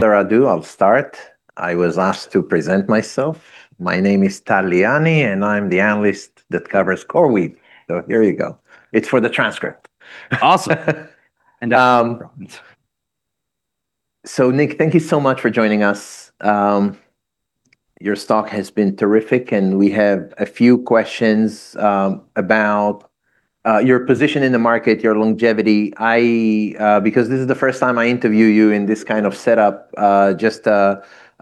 Further ado, I'll start. I was asked to present myself. My name is Tal Liani, and I'm the analyst that covers CoreWeave. Here you go. It's for the transcript. Awesome. No problems. Nick, thank you so much for joining us. Your stock has been terrific, we have a few questions about your position in the market, your longevity. This is the first time I interview you in this kind of setup, just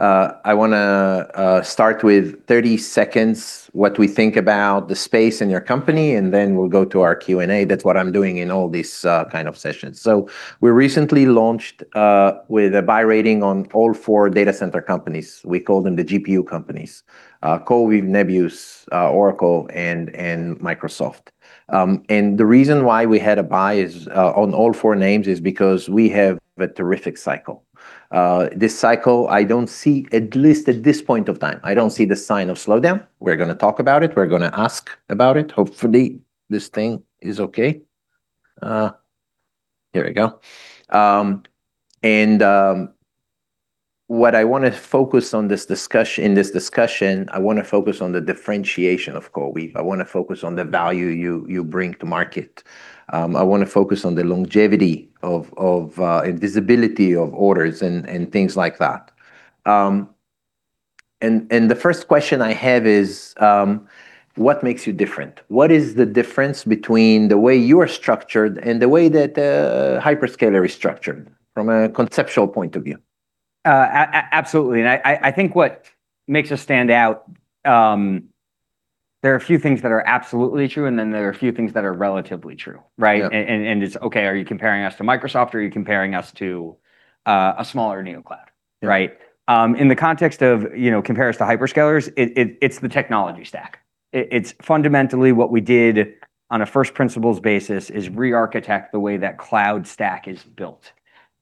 I want to start with 30 seconds what we think about the space and your company, and then we'll go to our Q&A. That's what I'm doing in all these kind of sessions. We recently launched with a buy rating on all four data center companies. We call them the GPU companies, CoreWeave, Nebius, Oracle, and Microsoft. The reason why we had a buy on all four names is because we have a terrific cycle. This cycle, I don't see, at least at this point of time, I don't see the sign of slowdown. We're going to talk about it. We're going to ask about it. Hopefully, this thing is okay. Here we go. What I want to focus in this discussion, I want to focus on the differentiation of CoreWeave. I want to focus on the value you bring to market. I want to focus on the longevity of invisibility of orders and things like that. The first question I have is, what makes you different? What is the difference between the way you are structured and the way that a hyperscaler is structured from a conceptual point of view? Absolutely, I think what makes us stand out, there are a few things that are absolutely true, and then there are a few things that are relatively true, right? Yeah. It's okay, are you comparing us to Microsoft, or are you comparing us to a smaller neocloud? Yeah. Right? In the context of compare us to hyperscalers, it's the technology stack. It's fundamentally what we did on a first principles basis is rearchitect the way that cloud stack is built.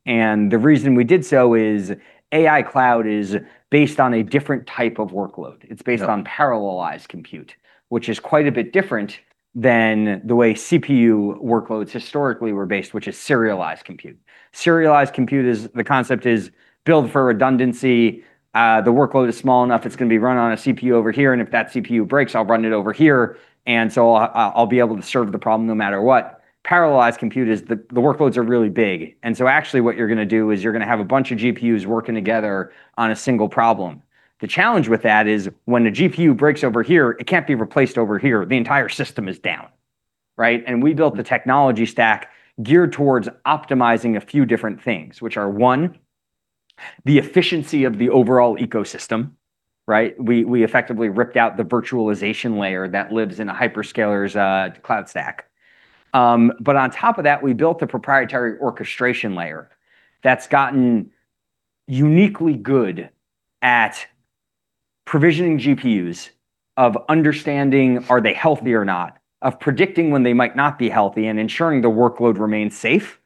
The reason we did so is AI cloud is based on a different type of workload. Yeah. It's based on parallelized compute, which is quite a bit different than the way CPU workloads historically were based, which is serialized compute. Serialized compute the concept is built for redundancy. The workload is small enough, it's going to be run on a CPU over here, and if that CPU breaks, I'll run it over here, and so I'll be able to serve the problem no matter what. Parallelized compute is the workloads are really big. Actually what you're going to do is you're going to have a bunch of GPUs working together on a single problem. The challenge with that is when a GPU breaks over here, it can't be replaced over here. The entire system is down. Right? We built the technology stack geared towards optimizing a few different things, which are, one, the efficiency of the overall ecosystem, right? We effectively ripped out the virtualization layer that lives in a hyperscaler's cloud stack. On top of that, we built a proprietary orchestration layer that's gotten uniquely good at provisioning GPUs, of understanding are they healthy or not, of predicting when they might not be healthy, and ensuring the workload remains safe.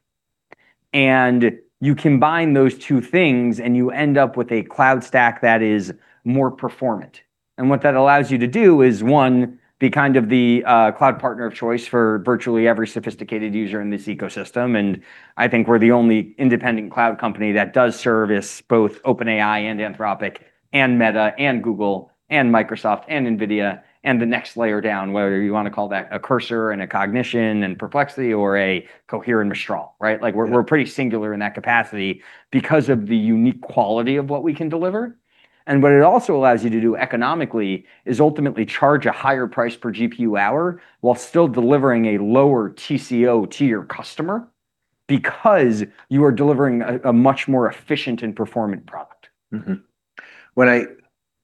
You combine those two things, and you end up with a cloud stack that is more performant. What that allows you to do is, one, be the cloud partner of choice for virtually every sophisticated user in this ecosystem, and I think we're the only independent cloud company that does service both OpenAI and Anthropic, and Meta, and Google, and Microsoft, and NVIDIA, and the next layer down, whether you want to call that a Cursor and a Cognition and Perplexity or a Cohere and Mistral AI, right? Yeah We're pretty singular in that capacity because of the unique quality of what we can deliver. What it also allows you to do economically is ultimately charge a higher price per GPU hour while still delivering a lower TCO to your customer because you are delivering a much more efficient and performant product. I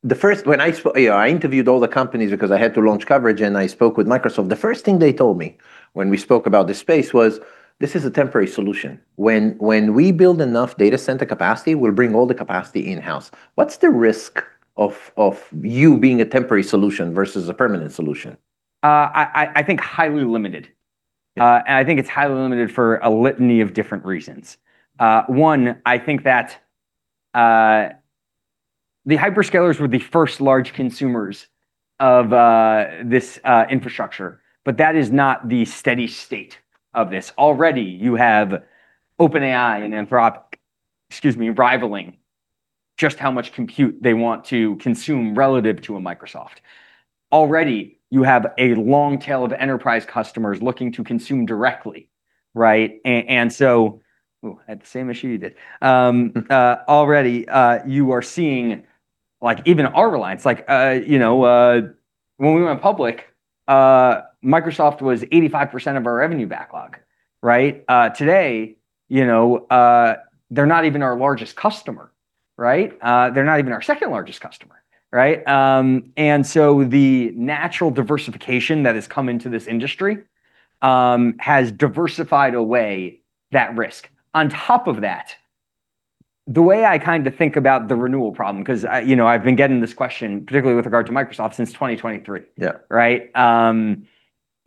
interviewed all the companies because I had to launch coverage. I spoke with Microsoft. The first thing they told me when we spoke about this space was this is a temporary solution. When we build enough data center capacity, we'll bring all the capacity in-house. What's the risk of you being a temporary solution versus a permanent solution? I think highly limited. Yeah. I think it's highly limited for a litany of different reasons. One, I think that the hyperscalers were the first large consumers of this infrastructure, but that is not the steady state of this. Already, you have OpenAI and Anthropic, excuse me, rivaling just how much compute they want to consume relative to a Microsoft. Already, you have a long tail of enterprise customers looking to consume directly, right? Oh, had the same issue you did. Already, you are seeing even our reliance. When we went public, Microsoft was 85% of our revenue backlog, right? Today, they're not even our largest customer, right? They're not even our second-largest customer, right? The natural diversification that has come into this industry has diversified away that risk. On top of that, the way I think about the renewal problem, because I've been getting this question, particularly with regard to Microsoft, since 2023. Yeah. Right?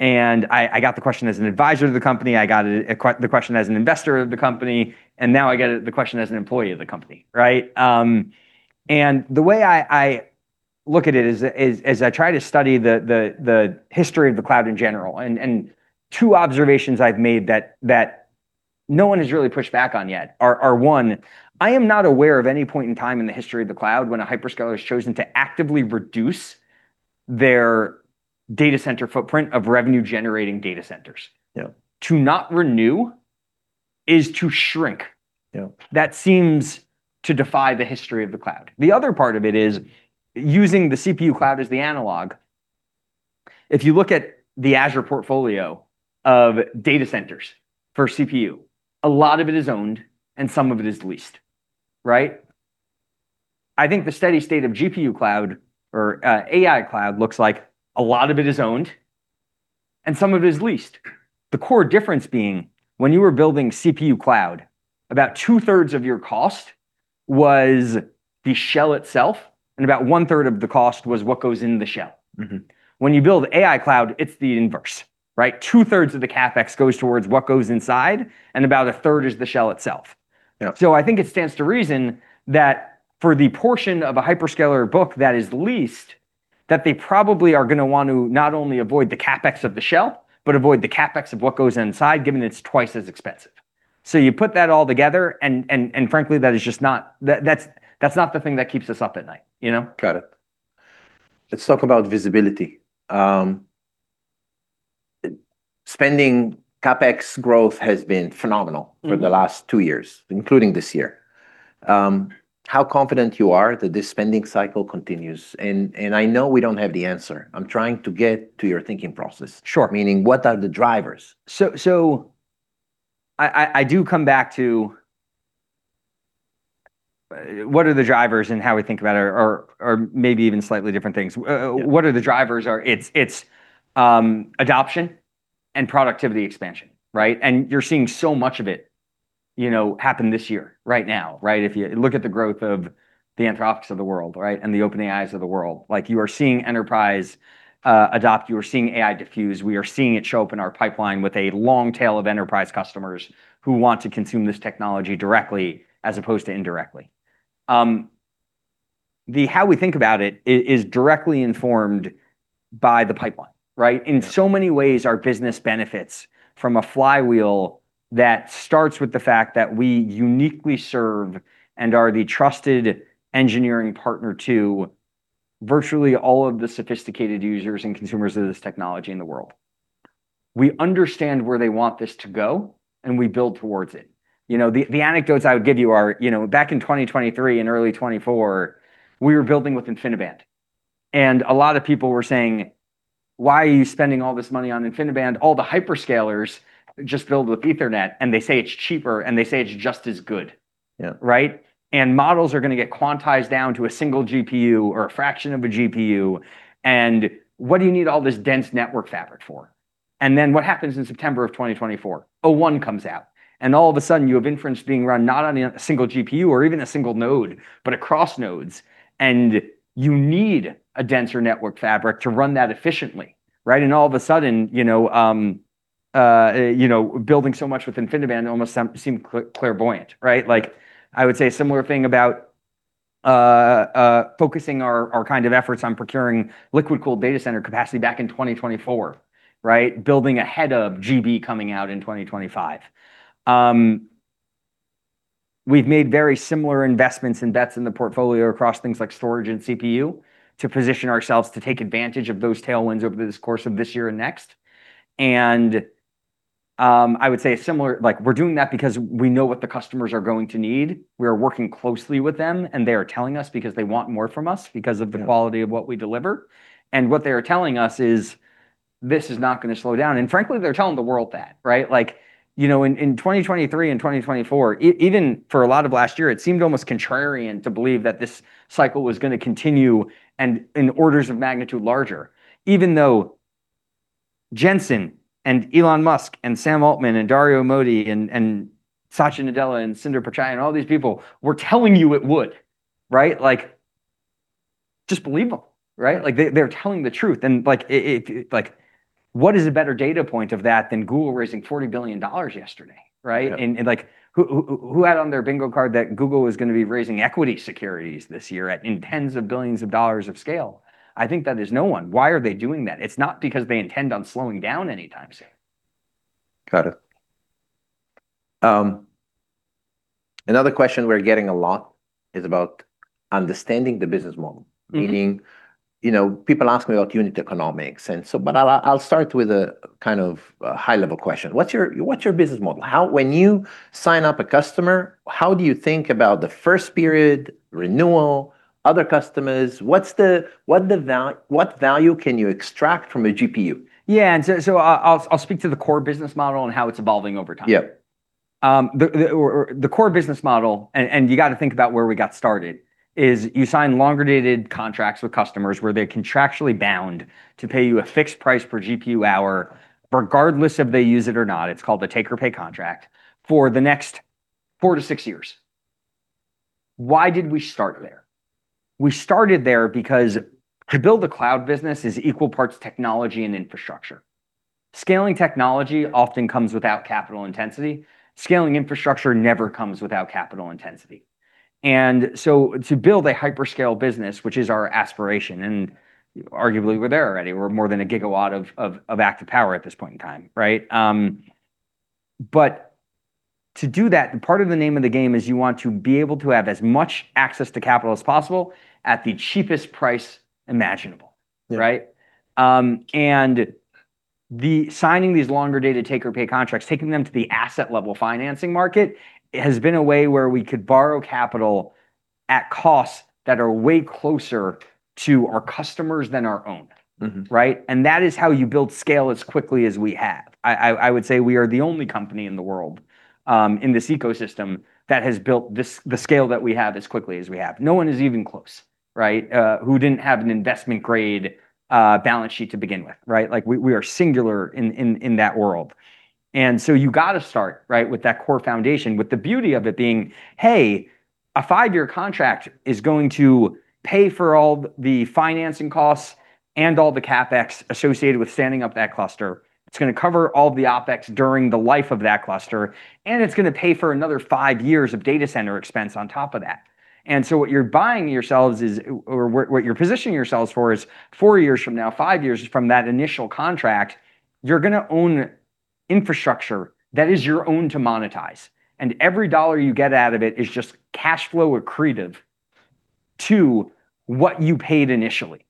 I got the question as an advisor to the company. I got the question as an investor of the company, and now I get the question as an employee of the company, right? The way I look at it as I try to study the history of the cloud in general. Two observations I've made that no one has really pushed back on yet are, one, I am not aware of any point in time in the history of the cloud when a hyperscaler has chosen to actively reduce their data center footprint of revenue-generating data centers. Yeah. To not renew is to shrink. Yeah. That seems to defy the history of the cloud. The other part of it is using the CPU cloud as the analog. If you look at the Azure portfolio of data centers for CPU, a lot of it is owned and some of it is leased. Right? I think the steady state of GPU cloud or AI cloud looks like a lot of it is owned and some of it is leased. The core difference being when you were building CPU cloud, about 2/3 of your cost was the shell itself and about 1/3 of the cost was what goes in the shell. When you build AI cloud, it's the inverse, right? 2/3 of the CapEx goes towards what goes inside, and about 1/3 is the shell itself. Yeah. I think it stands to reason that for the portion of a hyperscaler book that is leased, that they probably are going to want to not only avoid the CapEx of the shell, but avoid the CapEx of what goes inside, given it's twice as expensive. You put that all together and frankly, that's not the thing that keeps us up at night. Got it. Let's talk about visibility. Spending CapEx growth has been phenomenal for the last two years, including this year. How confident you are that this spending cycle continues? I know we don't have the answer. I'm trying to get to your thinking process. Sure. Meaning what are the drivers? I do come back to what are the drivers and how we think about it or maybe even slightly different things. What are the drivers are it's adoption and productivity expansion. You're seeing so much of it happen this year, right now. If you look at the growth of the Anthropic's of the world, and the OpenAI's of the world, like you are seeing enterprise adopt, you are seeing AI diffuse. We are seeing it show up in our pipeline with a long tail of enterprise customers who want to consume this technology directly as opposed to indirectly. The how we think about it is directly informed by the pipeline. In so many ways, our business benefits from a flywheel that starts with the fact that we uniquely serve and are the trusted engineering partner to virtually all of the sophisticated users and consumers of this technology in the world. We understand where they want this to go, and we build towards it. The anecdotes I would give you are back in 2023 and early 2024, we were building with InfiniBand, and a lot of people were saying, "Why are you spending all this money on InfiniBand? All the hyperscalers just build with Ethernet, and they say it's cheaper, and they say it's just as good. Yeah. Right? Models are going to get quantized down to a single GPU or a fraction of a GPU, and what do you need all this dense network fabric for? What happens in September of 2024? OpenAI o1 comes out, all of a sudden you have inference being run not on a single GPU or even a single node, but across nodes, and you need a denser network fabric to run that efficiently, right? All of a sudden, building so much with InfiniBand almost seemed clairvoyant, right? I would say similar thing about focusing our efforts on procuring liquid-cooled data center capacity back in 2024, right? Building ahead of GB coming out in 2025. We've made very similar investments and bets in the portfolio across things like storage and CPU to position ourselves to take advantage of those tailwinds over the course of this year and next. I would say similar, like we're doing that because we know what the customers are going to need. We are working closely with them, and they are telling us because they want more from us because of the quality of what we deliver. What they are telling us is this is not going to slow down, and frankly, they're telling the world that, right? In 2023 and 2024, even for a lot of last year, it seemed almost contrarian to believe that this cycle was going to continue and in orders of magnitude larger, even though Jensen Huang and Elon Musk and Sam Altman and Dario Amodei and Satya Nadella and Sundar Pichai and all these people were telling you it would, right? Just believe them, right? They're telling the truth and what is a better data point of that than Google raising $40 billion yesterday, right? Yeah. Who had on their bingo card that Google was going to be raising equity securities this year at tens of billions of dollars of scale? I think that is no one. Why are they doing that? It's not because they intend on slowing down anytime soon. Got it. Another question we're getting a lot is about understanding the business model. Meaning people ask me about unit economics. I'll start with a high level question. What's your business model? When you sign up a customer, how do you think about the first period, renewal, other customers? What value can you extract from a GPU? Yeah. I'll speak to the core business model and how it's evolving over time. Yeah. The core business model, you got to think about where we got started, is you sign longer-dated contracts with customers where they're contractually bound to pay you a fixed price per GPU hour, regardless if they use it or not. It's called the take-or-pay contract for the next four to six years. Why did we start there? We started there because to build a cloud business is equal parts technology and infrastructure. Scaling technology often comes without capital intensity. Scaling infrastructure never comes without capital intensity. To build a hyperscale business, which is our aspiration, and arguably we're there already. We're more than a gigawatt of active power at this point in time. To do that, part of the name of the game is you want to be able to have as much access to capital as possible at the cheapest price imaginable. Yeah. Signing these longer dated take-or-pay contracts, taking them to the asset level financing market, has been a way where we could borrow capital at costs that are way closer to our customers than our own. Right? That is how you build scale as quickly as we have. I would say we are the only company in the world, in this ecosystem, that has built the scale that we have as quickly as we have. No one is even close, who didn't have an investment-grade balance sheet to begin with. We are singular in that world. You've got to start with that core foundation, with the beauty of it being, hey, a five-year contract is going to pay for all the financing costs and all the CapEx associated with standing up that cluster. It's going to cover all the OpEx during the life of that cluster, and it's going to pay for another five years of data center expense on top of that. What you're positioning yourselves for is four years from now, five years from that initial contract, you're going to own infrastructure that is your own to monetize. Every dollar you get out of it is just cash flow accretive to what you paid initially.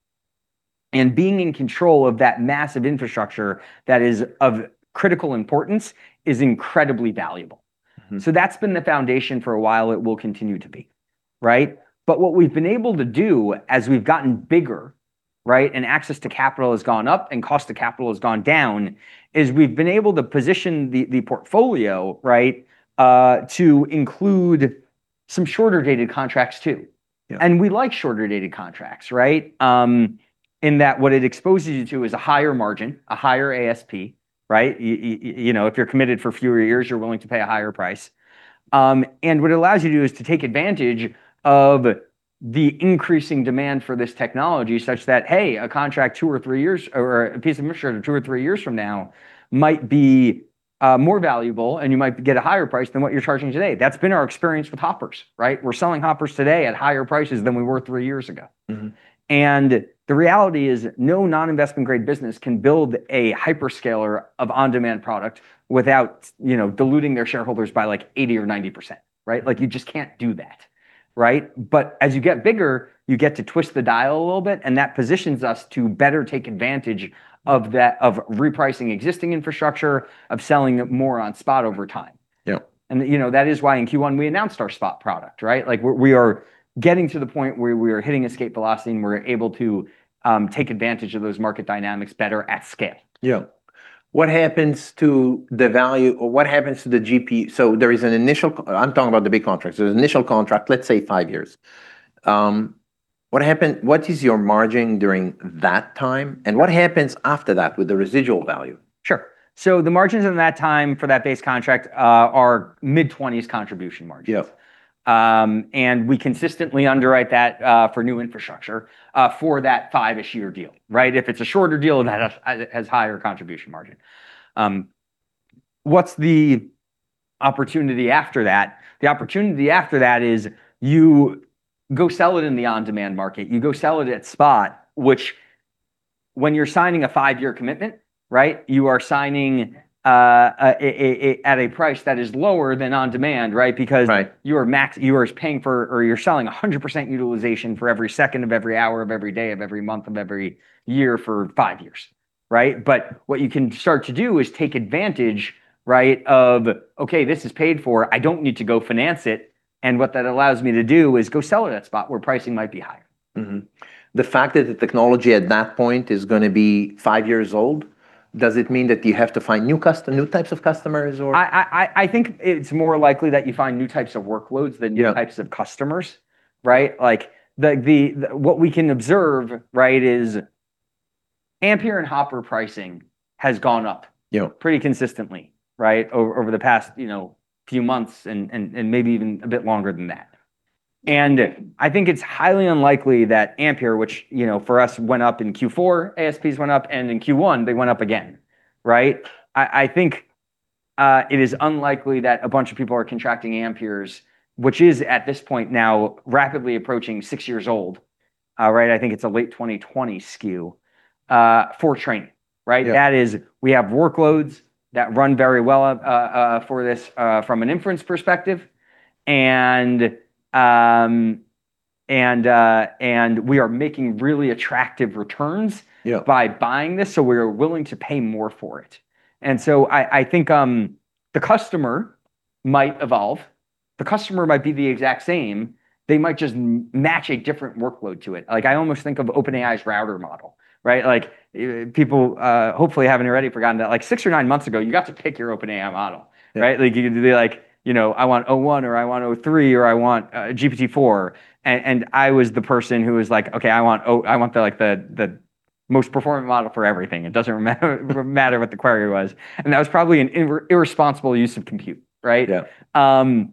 Being in control of that massive infrastructure that is of critical importance is incredibly valuable. That's been the foundation for a while. It will continue to be. What we've been able to do as we've gotten bigger, and access to capital has gone up, and cost of capital has gone down, is we've been able to position the portfolio to include some shorter dated contracts, too. Yeah. We like shorter dated contracts, in that what it exposes you to is a higher margin, a higher ASP. If you're committed for fewer years, you're willing to pay a higher price. What it allows you to do is to take advantage of the increasing demand for this technology such that, hey, a piece of machinery two or three years from now might be more valuable, and you might get a higher price than what you're charging today. That's been our experience with Hoppers. We're selling Hoppers today at higher prices than we were three years ago. The reality is, no non-investment-grade business can build a hyperscaler of on-demand product without diluting their shareholders by 80% or 90%. You just can't do that. As you get bigger, you get to twist the dial a little bit, and that positions us to better take advantage of repricing existing infrastructure, of selling more on spot over time. Yeah. That is why in Q1, we announced our spot product. We are getting to the point where we are hitting escape velocity, and we're able to take advantage of those market dynamics better at scale. Yeah. What happens to the GP? I'm talking about the big contracts. There's an initial contract, let's say five years. What is your margin during that time, and what happens after that with the residual value? Sure. The margins in that time for that base contract are mid-20s contribution margins. Yeah. We consistently underwrite that for new infrastructure, for that five-ish year deal. If it's a shorter deal, it has higher contribution margin. What's the opportunity after that? The opportunity after that is you go sell it in the on-demand market. You go sell it at spot, which when you're signing a five-year commitment, you are signing at a price that is lower than on-demand. Right. You are selling 100% utilization for every second of every hour of every day of every month of every year for five years. What you can start to do is take advantage of, okay, this is paid for. I don't need to go finance it. What that allows me to do is go sell it at spot where pricing might be higher. The fact that the technology at that point is going to be five years old, does it mean that you have to find new types of customers, or? I think it's more likely that you find new types of workloads than new Yeah types of customers. What we can observe is Ampere and Hopper pricing has gone up, Yeah pretty consistently over the past few months and maybe even a bit longer than that. I think it's highly unlikely that Ampere, which for us went up in Q4, ASPs went up, and in Q1, they went up again. I think it is unlikely that a bunch of people are contracting Ampere, which is, at this point now, rapidly approaching six years old. I think it's a late 2020 SKU, for train. Yeah. That is, we have workloads that run very well for this from an inference perspective. We are making really attractive returns, Yeah by buying this, so we are willing to pay more for it. I think the customer might evolve. The customer might be the exact same. They might just match a different workload to it. I almost think of OpenAI's router model. People hopefully haven't already forgotten that six or nine months ago, you got to pick your OpenAI model. Yeah. You could do the, I want o1 or I want o3, or I want GPT-4. I was the person who was like, "Okay, I want the most performant model for everything." It doesn't matter what the query was. That was probably an irresponsible use of compute, right? Yeah.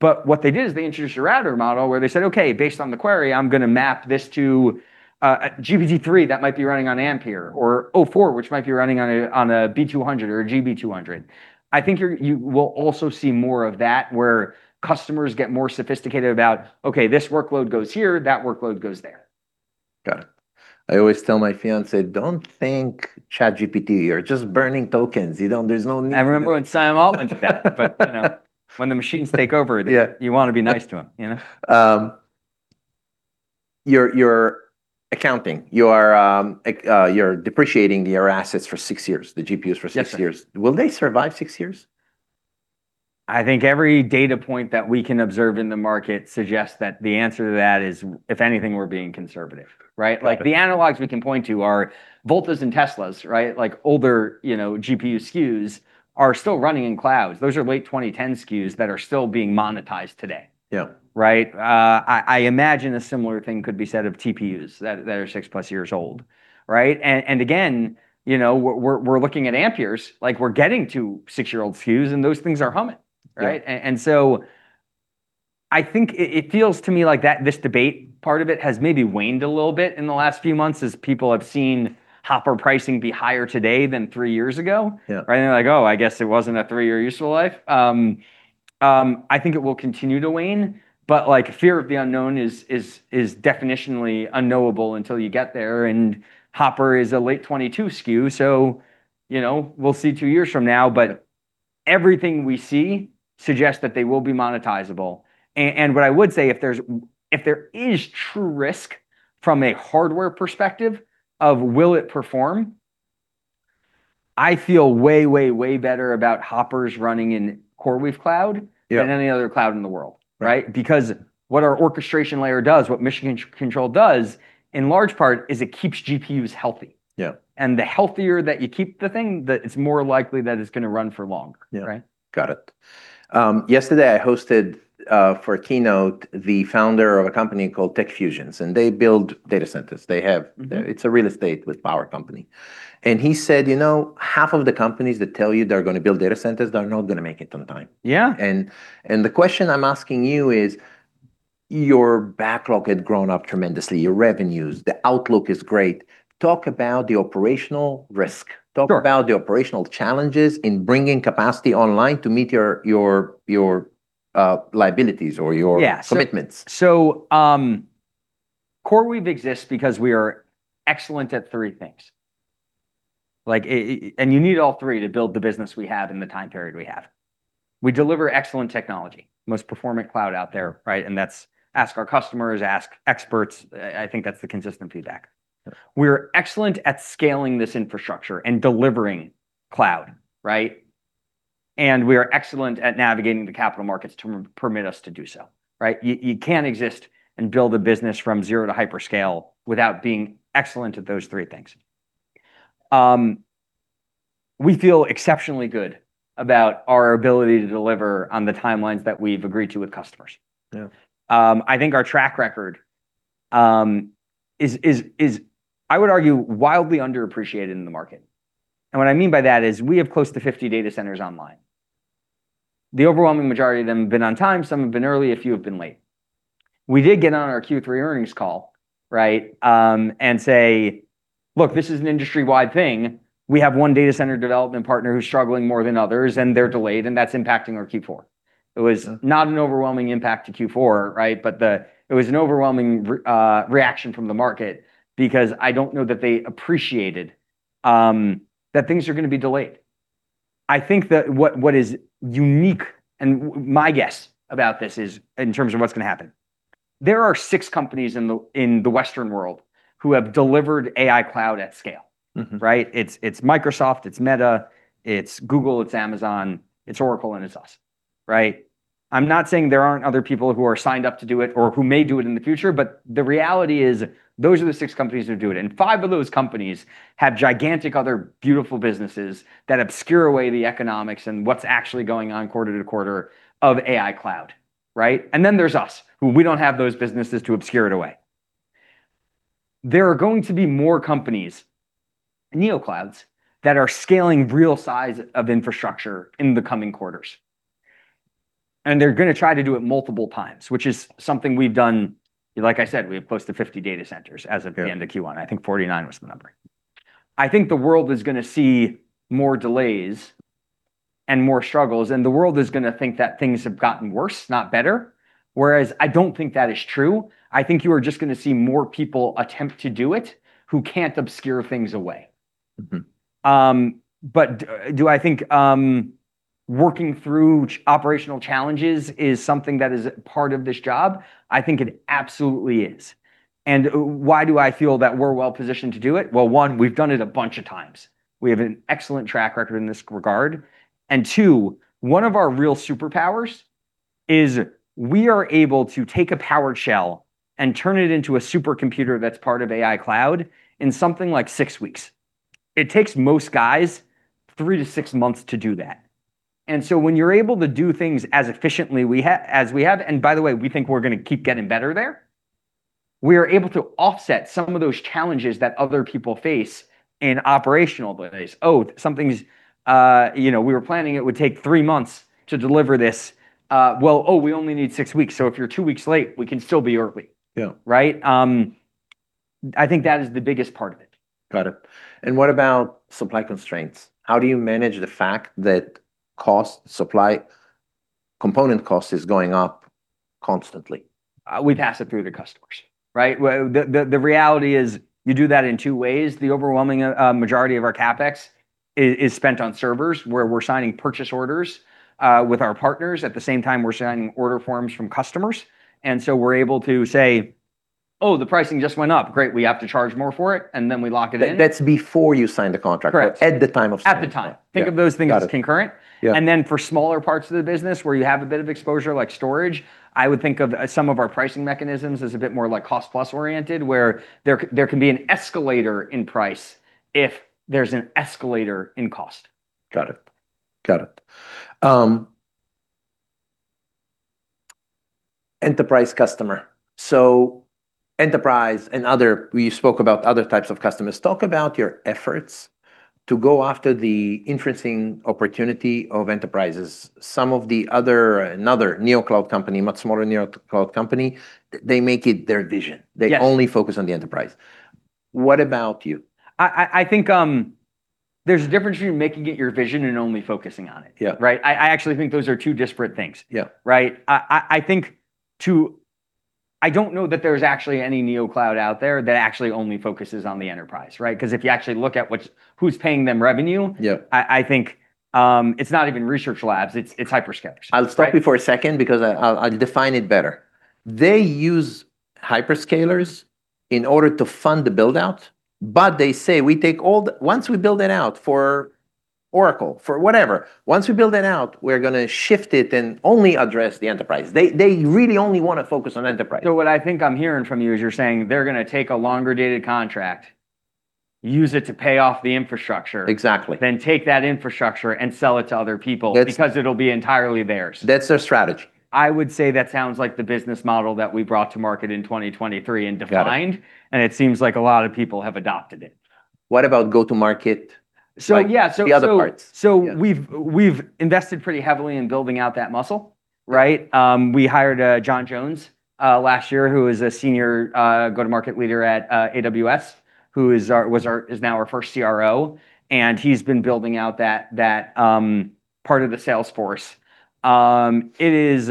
What they did is they introduced a router model where they said, "Okay, based on the query, I'm going to map this to a GPT-3 that might be running on Ampere, or o4, which might be running on a B200 or a GB200." I think you will also see more of that where customers get more sophisticated about, okay, this workload goes here, that workload goes there. Got it. I always tell my fiancé, "Don't thank ChatGPT. You're just burning tokens. There's no need. I remember when Sam Altman said that, but when the machines take over, Yeah you want to be nice to them. Your accounting, you're depreciating your assets for six years, the GPUs for six years. Yeah. Will they survive six years? I think every data point that we can observe in the market suggests that the answer to that is, if anything, we're being conservative. Right? Yeah. The analogs we can point to are Volta Energy and Tesla. Right? Older GPU SKUs are still running in clouds. Those are late 2010 SKUs that are still being monetized today. Yeah. Right? I imagine a similar thing could be said of TPUs that are 6+ years old. Right? Again, we're looking at Ampere. We're getting to six-year-old SKUs, and those things are humming. Yeah. Right? I think it feels to me like this debate part of it has maybe waned a little bit in the last few months as people have seen Hopper pricing be higher today than three years ago. Yeah. Right? They're like, "Oh, I guess it wasn't a three-year useful life." I think it will continue to wane, but fear of the unknown is definitionally unknowable until you get there, and Hopper is a late 2022 SKU, so we'll see two years from now. Everything we see suggests that they will be monetizable. What I would say, if there is true risk from a hardware perspective of will it perform, I feel way, way better about Hoppers running in CoreWeave Cloud, Yeah than any other cloud in the world. Right? Because what our orchestration layer does, what Mission Control does, in large part, is it keeps GPUs healthy. Yeah. The healthier that you keep the thing, it's more likely that it's going to run for longer. Yeah. Right? Got it. Yesterday, I hosted, for a keynote, the founder of a company called TECfusions, and they build data centers. It's a real estate with power company. He said, "Half of the companies that tell you they're going to build data centers are not going to make it on time. Yeah. The question I'm asking you is, your backlog had grown up tremendously, your revenues, the outlook is great. Talk about the operational risk. Sure. Talk about the operational challenges in bringing capacity online to meet your liabilities or your commitments. CoreWeave exists because we are excellent at three things, and you need all three to build the business we have in the time period we have. We deliver excellent technology, most performant cloud out there, right? That's ask our customers, ask experts. I think that's the consistent feedback. We're excellent at scaling this infrastructure and delivering cloud, right? We are excellent at navigating the capital markets to permit us to do so. Right? You can't exist and build a business from zero to hyperscale without being excellent at those three things. We feel exceptionally good about our ability to deliver on the timelines that we've agreed to with customers. Yeah. I think our track record is, I would argue, wildly underappreciated in the market. What I mean by that is we have close to 50 data centers online. The overwhelming majority of them have been on time, some have been early, a few have been late. We did get on our Q3 earnings call, right, and say, "Look, this is an industry-wide thing." We have one data center development partner who's struggling more than others, and they're delayed, and that's impacting our Q4. It was not an overwhelming impact to Q4, right, but it was an overwhelming reaction from the market because I don't know that they appreciated that things are going to be delayed. I think that what is unique, and my guess about this is in terms of what's going to happen, there are six companies in the Western world who have delivered AI cloud at scale. It's Microsoft, it's Meta, it's Google, it's Amazon, it's Oracle, and it's us. I'm not saying there aren't other people who are signed up to do it or who may do it in the future, but the reality is those are the six companies who do it, and five of those companies have gigantic other beautiful businesses that obscure away the economics and what's actually going on quarter to quarter of AI cloud. There's us, who we don't have those businesses to obscure it away. There are going to be more companies, neoclouds, that are scaling real size of infrastructure in the coming quarters. They're going to try to do it multiple times, which is something we've done, like I said, we have close to 50 data centers as of Yeah the end of Q1. I think 49 was the number. I think the world is going to see more delays and more struggles, and the world is going to think that things have gotten worse, not better. I don't think that is true. I think you are just going to see more people attempt to do it who can't obscure things away. Do I think working through operational challenges is something that is part of this job? I think it absolutely is. Why do I feel that we're well-positioned to do it? Well, one, we've done it a bunch of times. We have an excellent track record in this regard. Two, one of our real superpowers is we are able to take a PowerShell and turn it into a supercomputer that's part of AI cloud in something like six weeks. It takes most guys three to six months to do that. When you're able to do things as efficiently as we have, and by the way, we think we're going to keep getting better there. We are able to offset some of those challenges that other people face in operational ways. We were planning it would take three months to deliver this, well, we only need six weeks, if you're two weeks late, we can still be early. Yeah. Right? I think that is the biggest part of it. Got it. What about supply constraints? How do you manage the fact that component cost is going up constantly? We pass it through to customers, right? Well, the reality is, you do that in two ways. The overwhelming majority of our CapEx is spent on servers, where we're signing purchase orders with our partners. At the same time, we're signing order forms from customers. We're able to say, "Oh, the pricing just went up. Great, we have to charge more for it," and then we lock it in. That's before you sign the contract. Correct. At the time of signing. At the time. Yeah. Think of those things as concurrent. Got it. Yeah. For smaller parts of the business where you have a bit of exposure, like storage, I would think of some of our pricing mechanisms as a bit more cost-plus oriented, where there can be an escalator in price if there's an escalator in cost. Got it. Enterprise customer. Enterprise and we spoke about other types of customers. Talk about your efforts to go after the interesting opportunity of enterprises. Some of another neocloud company, much smaller neocloud company, they make it their vision. Yes. They only focus on the enterprise. What about you? I think there's a difference between making it your vision and only focusing on it. Yeah. Right? I actually think those are two disparate things. Yeah. Right? I don't know that there's actually any neocloud out there that actually only focuses on the enterprise, right, because if you actually look at who's paying them revenue. Yeah I think it's not even research labs, it's hyperscalers. I'll stop you for a second because I'll define it better. They use hyperscalers in order to fund the build-out, but they say, "Once we build it out for Oracle, for whatever, once we build it out, we're going to shift it and only address the enterprise." They really only want to focus on enterprise. What I think I'm hearing from you is you're saying they're going to take a longer-dated contract, use it to pay off the infrastructure- Exactly Then take that infrastructure and sell it to other people. That's- It'll be entirely theirs. That's their strategy. I would say that sounds like the business model that we brought to market in 2023 and defined. Got it. It seems like a lot of people have adopted it. What about go-to-market? Yeah. The other parts. We've invested pretty heavily in building out that muscle, right. We hired Jon Jones, last year, who was a senior go-to-market leader at AWS, who is now our first CRO. He's been building out that part of the sales force. It is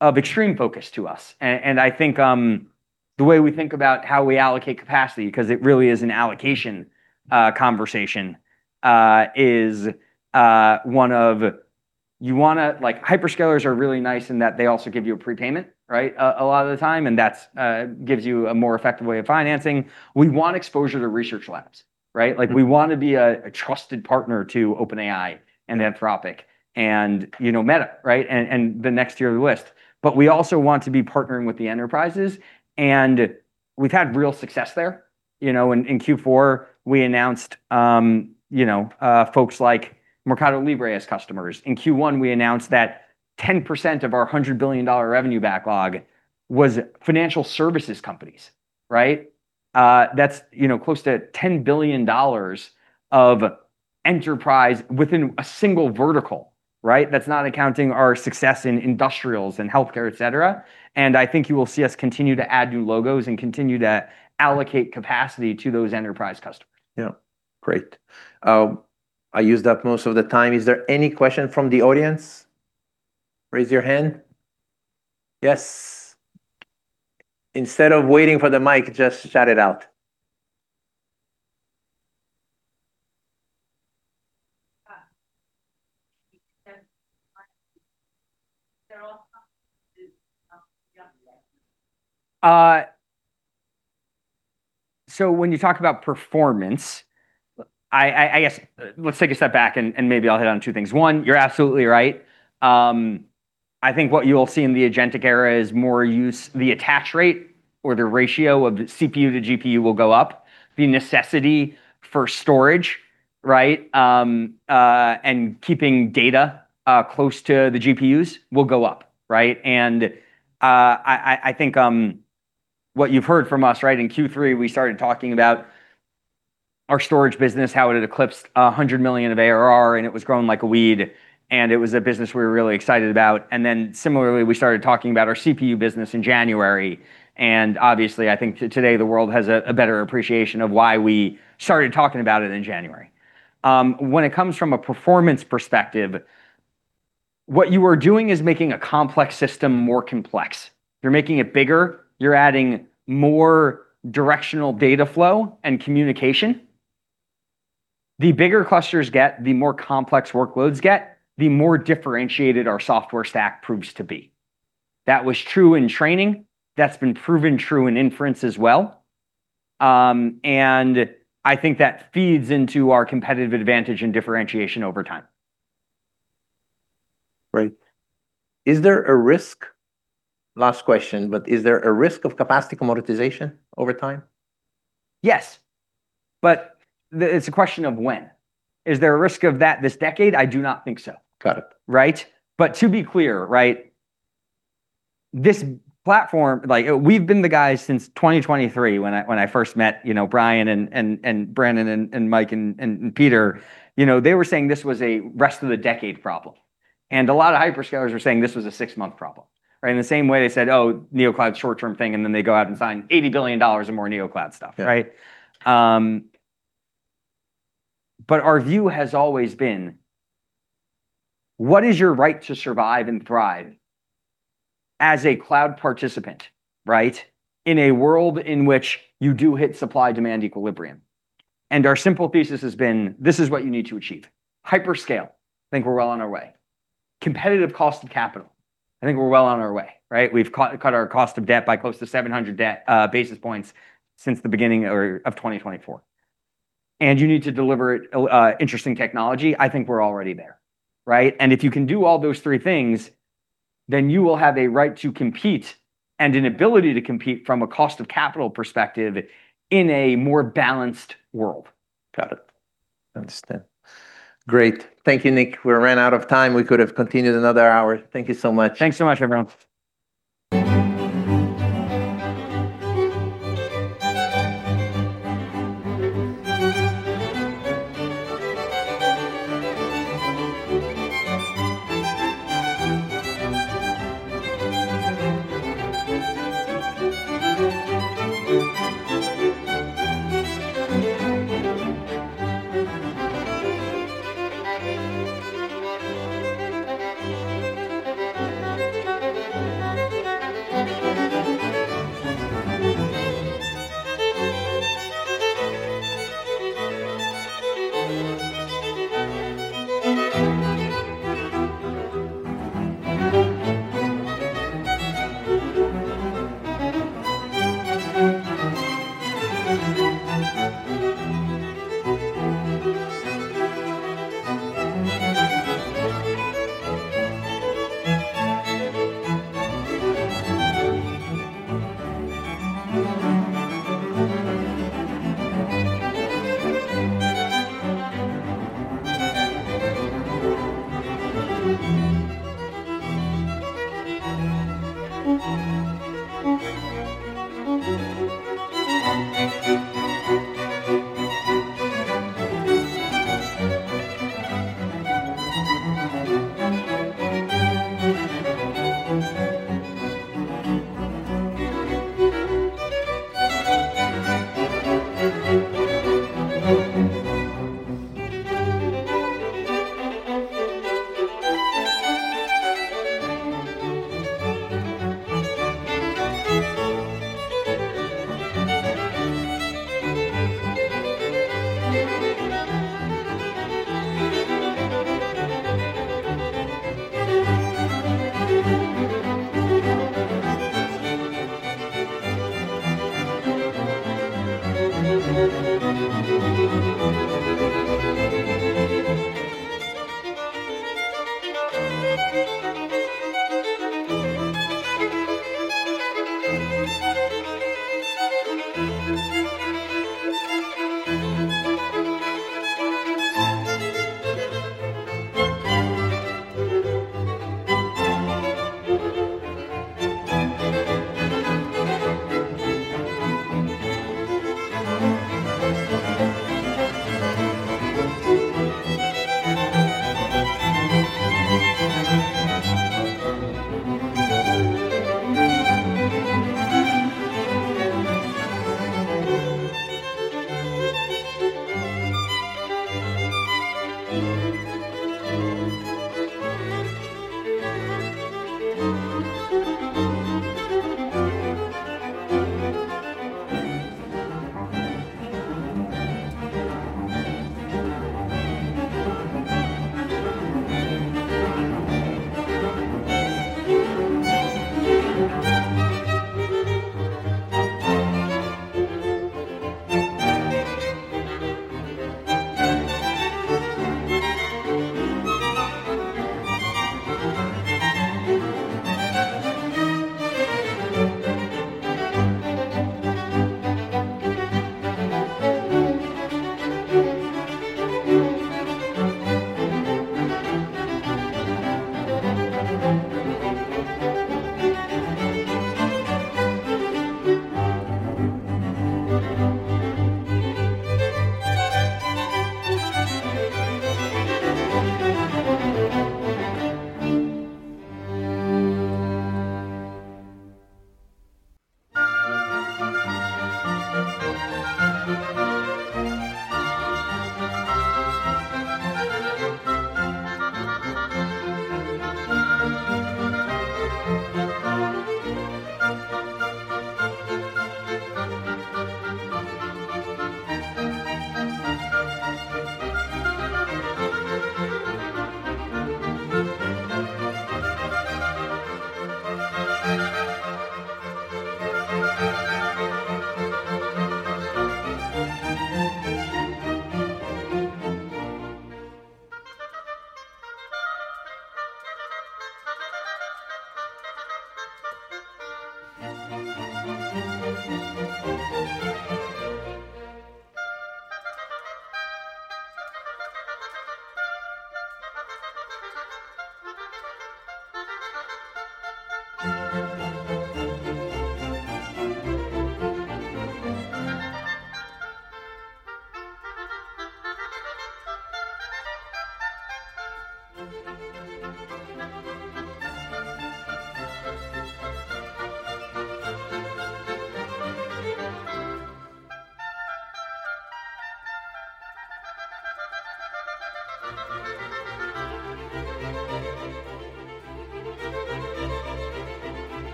of extreme focus to us. I think the way we think about how we allocate capacity, because it really is an allocation conversation, hyperscalers are really nice in that they also give you a prepayment, right. A lot of the time. That gives you a more effective way of financing. We want exposure to research labs, right. We want to be a trusted partner to OpenAI and Anthropic and Meta, right. The next tier of the list. We also want to be partnering with the enterprises, and we've had real success there. In Q4, we announced folks like Mercado Libre as customers. In Q1, we announced that 10% of our $100 billion revenue backlog was financial services companies, right? That's close to $10 billion of enterprise within a single vertical, right? That's not accounting our success in industrials and healthcare, et cetera. I think you will see us continue to add new logos and continue to allocate capacity to those enterprise customers. Yeah. Great. I used up most of the time. Is there any question from the audience? Raise your hand. Yes. Instead of waiting for the mic, just shout it out. When you talk about performance, I guess let's take a step back and maybe I'll hit on two things. One, you're absolutely right. I think what you'll see in the agentic era is more use, the attach rate or the ratio of the CPU-to-GPU will go up. The necessity for storage and keeping data close to the GPUs will go up. I think what you've heard from us in Q3, we started talking about our storage business, how it had eclipsed $100 million of ARR, and it was growing like a weed, and it was a business we were really excited about. Similarly, we started talking about our CPU business in January, and obviously, I think today the world has a better appreciation of why we started talking about it in January. When it comes from a performance perspective, what you are doing is making a complex system more complex. You're making it bigger, you're adding more directional data flow and communication. The bigger clusters get, the more complex workloads get, the more differentiated our software stack proves to be. That was true in training. That's been proven true in inference as well. I think that feeds into our competitive advantage and differentiation over time. Right. Last question, is there a risk of capacity commoditization over time? Yes, it's a question of when. Is there a risk of that this decade? I do not think so. Got it. Right? To be clear, this platform, we've been the guys since 2023 when I first met Brian Venturo and Brannin McBee and Mike Intrator and Peter Salanki. They were saying this was a rest of the decade problem, and a lot of hyperscalers were saying this was a six-month problem. In the same way they said, "Oh, neocloud's a short-term thing," and then they go out and sign $80 billion of more neocloud stuff, right? Yeah. Our view has always been, what is your right to survive and thrive as a cloud participant? In a world in which you do hit supply-demand equilibrium. Our simple thesis has been, this is what you need to achieve. Hyperscale, think we're well on our way. Competitive cost of capital, I think we're well on our way. We've cut our cost of debt by close to 700 basis points since the beginning of 2024. You need to deliver interesting technology, I think we're already there. If you can do all those three things, you will have a right to compete and an ability to compete from a cost of capital perspective in a more balanced world. Got it. Understand. Great. Thank you, Nick. We ran out of time. We could have continued another hour. Thank you so much. Thanks so much, everyone.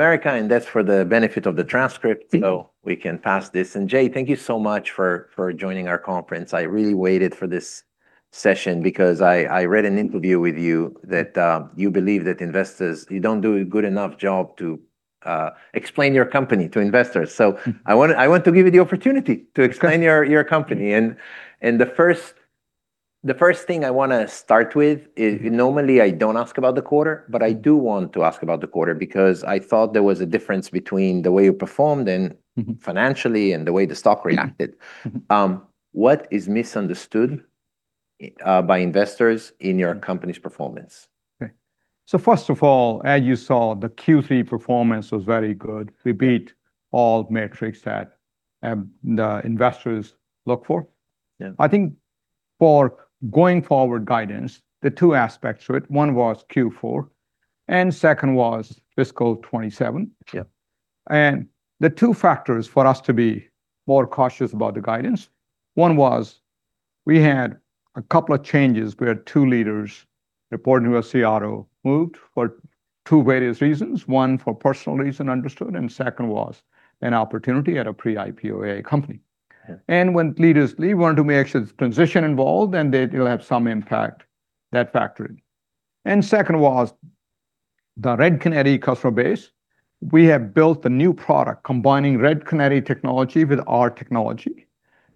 America, that's for the benefit of the transcript, so we can pass this. Jay, thank you so much for joining our conference. I really waited for this session because I read an interview with you that you believe that you don't do a good enough job to explain your company to investors. I want to give you the opportunity to explain your company. The first thing I want to start with is, normally I don't ask about the quarter, but I do want to ask about the quarter because I thought there was a difference between the way you performed financially and the way the stock reacted. What is misunderstood by investors in your company's performance? Okay. First of all, as you saw, the Q3 performance was very good. We beat all metrics that the investors look for. Yeah. I think for going-forward guidance, there are two aspects to it. One was Q4, and second was fiscal 2027. Yeah. The two factors for us to be more cautious about the guidance, one was we had a couple of changes. We had two leaders reporting to our CRO moved for two various reasons. One, for personal reason, understood, and second was an opportunity at a pre-IPO company. Okay. When leaders leave, we want to make sure there's transition involved, and that it'll have some impact. That factored in. Second was the Red Canary customer base. We have built a new product combining Red Canary technology with our technology,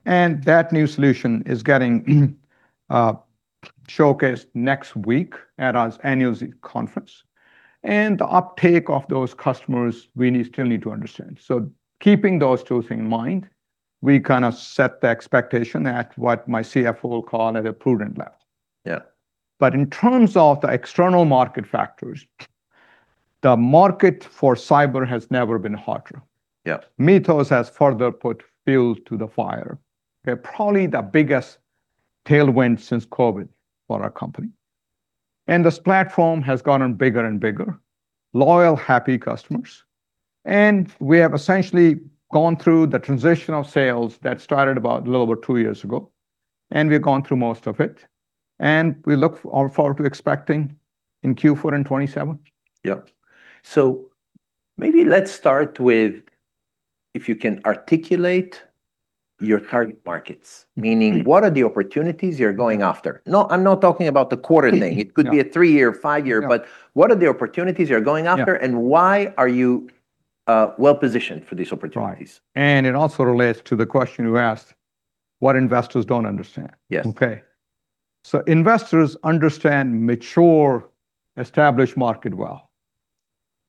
and that new solution is getting showcased next week at our annual conference. The uptake of those customers, we still need to understand. Keeping those two things in mind, we set the expectation at what my CFO will call at a prudent level. Yeah. In terms of the external market factors, the market for cyber has never been hotter. Yeah. MITRE has further put fuel to the fire. They're probably the biggest tailwind since COVID for our company. This platform has gotten bigger and bigger. Loyal, happy customers. We have essentially gone through the transitional sales that started about a little over two years ago, and we've gone through most of it, and we look forward to expecting in Q4 and 2027. Yep. Maybe let's start with if you can articulate your target markets. Meaning, what are the opportunities you're going after? No, I'm not talking about the quarter thing. No. It could be a three-year, five-year. Yeah. What are the opportunities you're going after? Yeah Why are you well-positioned for these opportunities? Right. It also relates to the question you asked, what investors don't understand. Yes. Okay. Investors understand mature, established market well.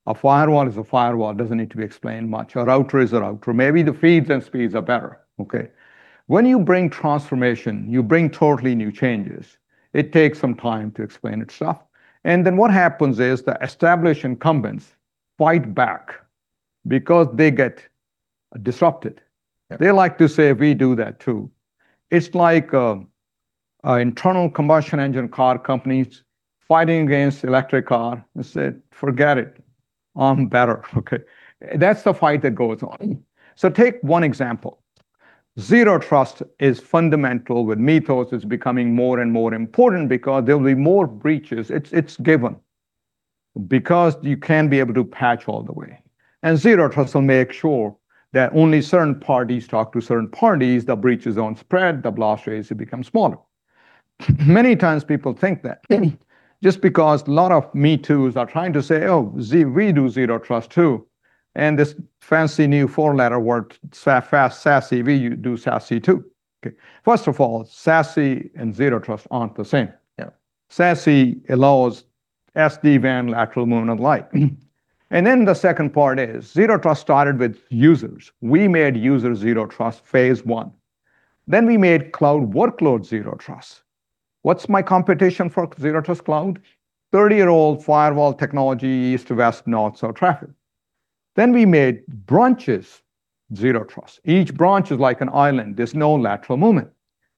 A firewall is a firewall. It doesn't need to be explained much. A router is a router. Maybe the feeds and speeds are better. Okay. When you bring transformation, you bring totally new changes. It takes some time to explain itself. What happens is, the established incumbents fight back because they get disrupted. Yeah. They like to say, "We do that, too." It's like internal combustion engine car companies fighting against electric car, and said, "Forget it. I'm better." Okay. That's the fight that goes on. Take one example. Zero Trust is fundamental. With MITRE, it's becoming more and more important because there'll be more breaches. It's given. You can't be able to patch all the way. Zero Trust will make sure that only certain parties talk to certain parties. The breaches don't spread. The blast radius becomes smaller. Many times, people think that just because a lot of me-toos are trying to say, "Oh, we do Zero Trust, too." This fancy new four-letter word, SASE. We do SASE, too. Okay. First of all, SASE and Zero Trust aren't the same. Yeah. SASE allows SD-WAN lateral movement of light. The second part is, Zero Trust started with users. We made users Zero Trust phase I. We made cloud workload Zero Trust. What's my competition for Zero Trust Cloud? 30-year-old firewall technology, east to west, north, south traffic. We made branches Zero Trust. Each branch is like an island. There's no lateral movement.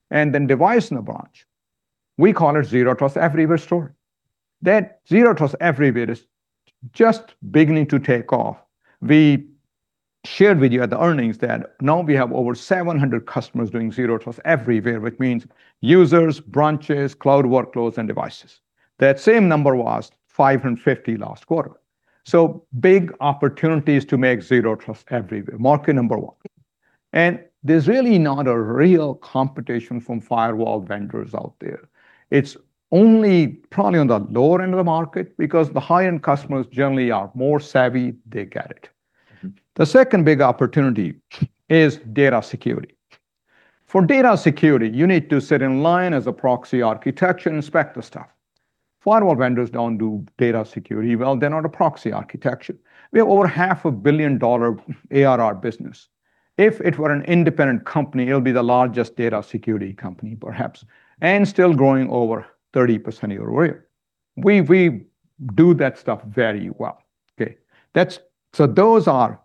Device in a branch. We call it Zero Trust Everywhere story. That Zero Trust Everywhere is just beginning to take off. We shared with you at the earnings that now we have over 700 customers doing Zero Trust Everywhere, which means users, branches, cloud workloads, and devices. That same number was 550 last quarter. Big opportunities to make Zero Trust Everywhere, market number one. There's really not a real competition from firewall vendors out there. It's only probably on the lower end of the market because the high-end customers generally are more savvy. They get it. The second big opportunity is data security. For data security, you need to sit in line as a proxy architecture, inspect the stuff. Firewall vendors don't do data security well. They're not a proxy architecture. We have over half a billion-dollar ARR business. If it were an independent company, it'll be the largest data security company, perhaps, and still growing over 30% year-over-year. We do that stuff very well. Okay. Those are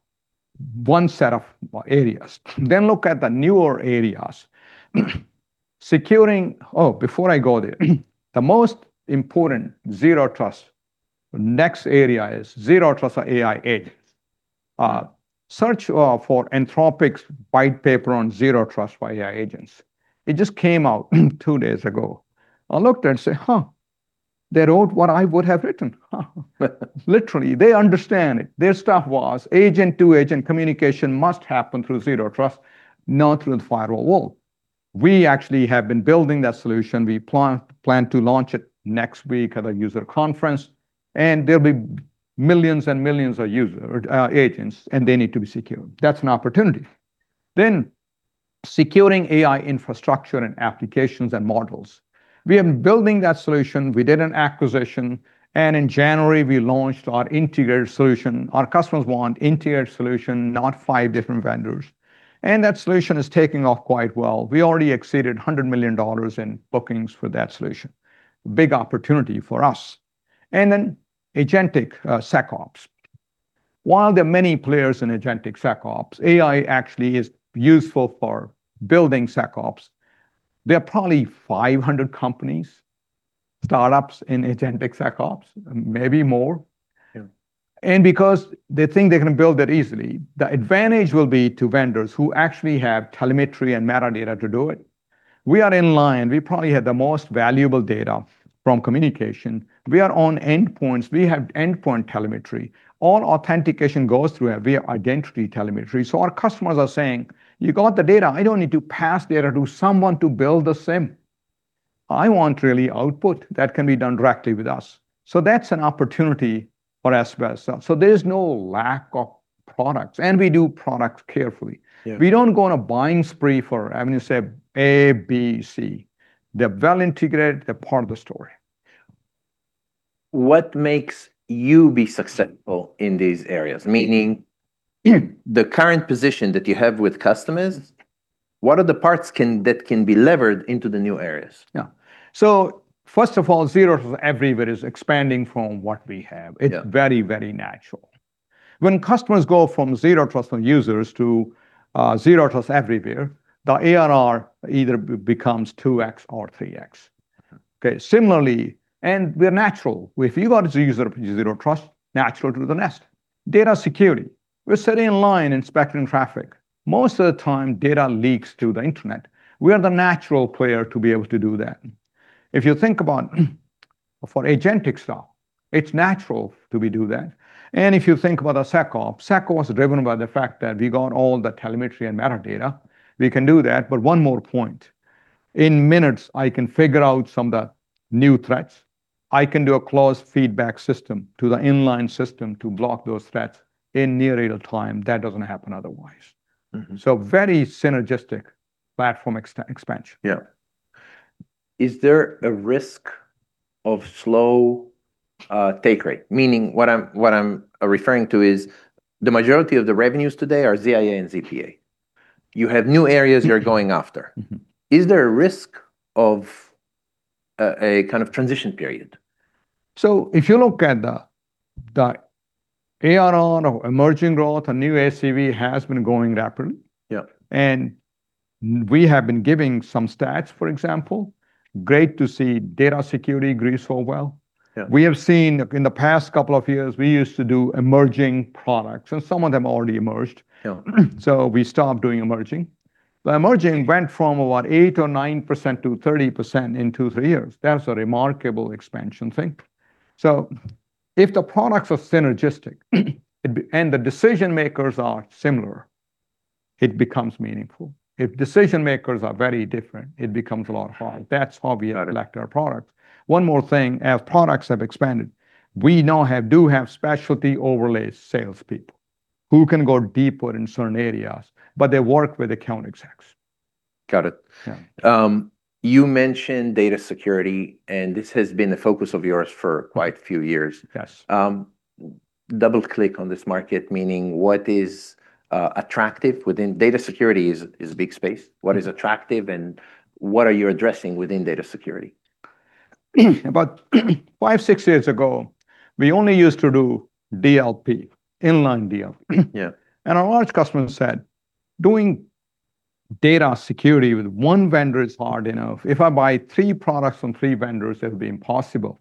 one set of areas. Look at the newer areas. Oh, before I go there. The most important Zero Trust, next area is Zero Trust for AI agents. Search for Anthropic's white paper on Zero Trust for AI agents. It just came out two days ago. I looked and say, "Huh, they wrote what I would have written. Huh." Literally, they understand it. Their stuff was agent-to-agent communication must happen through Zero Trust, not through the firewall. We actually have been building that solution. We plan to launch it next week at a user conference, and there'll be millions and millions of user, or agents, and they need to be secured. That's an opportunity. Securing AI infrastructure and applications and models. We have been building that solution. We did an acquisition, and in January, we launched our integrated solution. Our customers want integrated solution, not five different vendors. That solution is taking off quite well. We already exceeded $100 million in bookings for that solution. Big opportunity for us. Agentic SecOps. While there are many players in agentic SecOps, AI actually is useful for building SecOps. There are probably 500 companies, startups in agentic SecOps, maybe more. Yeah. Because they think they can build it easily, the advantage will be to vendors who actually have telemetry and metadata to do it. We are in line. We probably have the most valuable data from communication. We are on endpoints. We have endpoint telemetry. All authentication goes through our via identity telemetry. Our customers are saying, "You got the data. I don't need to pass data to someone to build the SIEM. I want really output that can be done directly with us." That's an opportunity for us by itself. There's no lack of products, and we do product carefully. Yeah. We don't go on a buying spree for, I mean to say A, B, C. They're well-integrated. They're part of the story. What makes you be successful in these areas? Meaning, the current position that you have with customers, what are the parts that can be levered into the new areas? Yeah. First of all, Zero Trust Everywhere is expanding from what we have. Yeah. It's very, very natural. When customers go from Zero Trust on users to Zero Trust Everywhere, the ARR either becomes two X or three X. Yeah. Similarly, we are natural. If you got a user Zero Trust, natural to the nest. Data security, we're sitting in line inspecting traffic. Most of the time, data leaks to the internet. We are the natural player to be able to do that. If you think about for agentic style, it's natural that we do that. If you think about the SecOps was driven by the fact that we got all the telemetry and metadata. We can do that, but one more point. In minutes, I can figure out some of the new threats. I can do a closed feedback system to the inline system to block those threats in near real-time. That doesn't happen otherwise. Very synergistic platform expansion. Yeah. Is there a risk of slow take rate? Meaning, what I'm referring to is the majority of the revenues today are ZIA and ZPA. You have new areas you're going after. Is there a risk of a kind of transition period? If you look at the ARR or emerging growth or new ACV has been growing rapidly. Yeah. We have been giving some stats, for example. Great to see data security grew so well. Yeah. We have seen in the past couple of years, we used to do emerging products, and some of them already emerged. Yeah. We stopped doing emerging. The emerging went from what? 8% or 9%-30% in two, three years. That's a remarkable expansion thing. If the products are synergistic and the decision-makers are similar, it becomes meaningful. If decision-makers are very different, it becomes a lot hard. That's why we elect our products. One more thing. As products have expanded, we now do have specialty overlay salespeople who can go deeper in certain areas, but they work with account executives. Got it. Yeah. You mentioned data security, and this has been a focus of yours for quite a few years. Yes. Double-click on this market, meaning what is attractive within data security is a big space. What is attractive, and what are you addressing within data security? About five, six years ago, we only used to do DLP, inline DLP. Yeah. Our largest customer said, "Doing data security with one vendor is hard enough. If I buy three products from three vendors, it'll be impossible.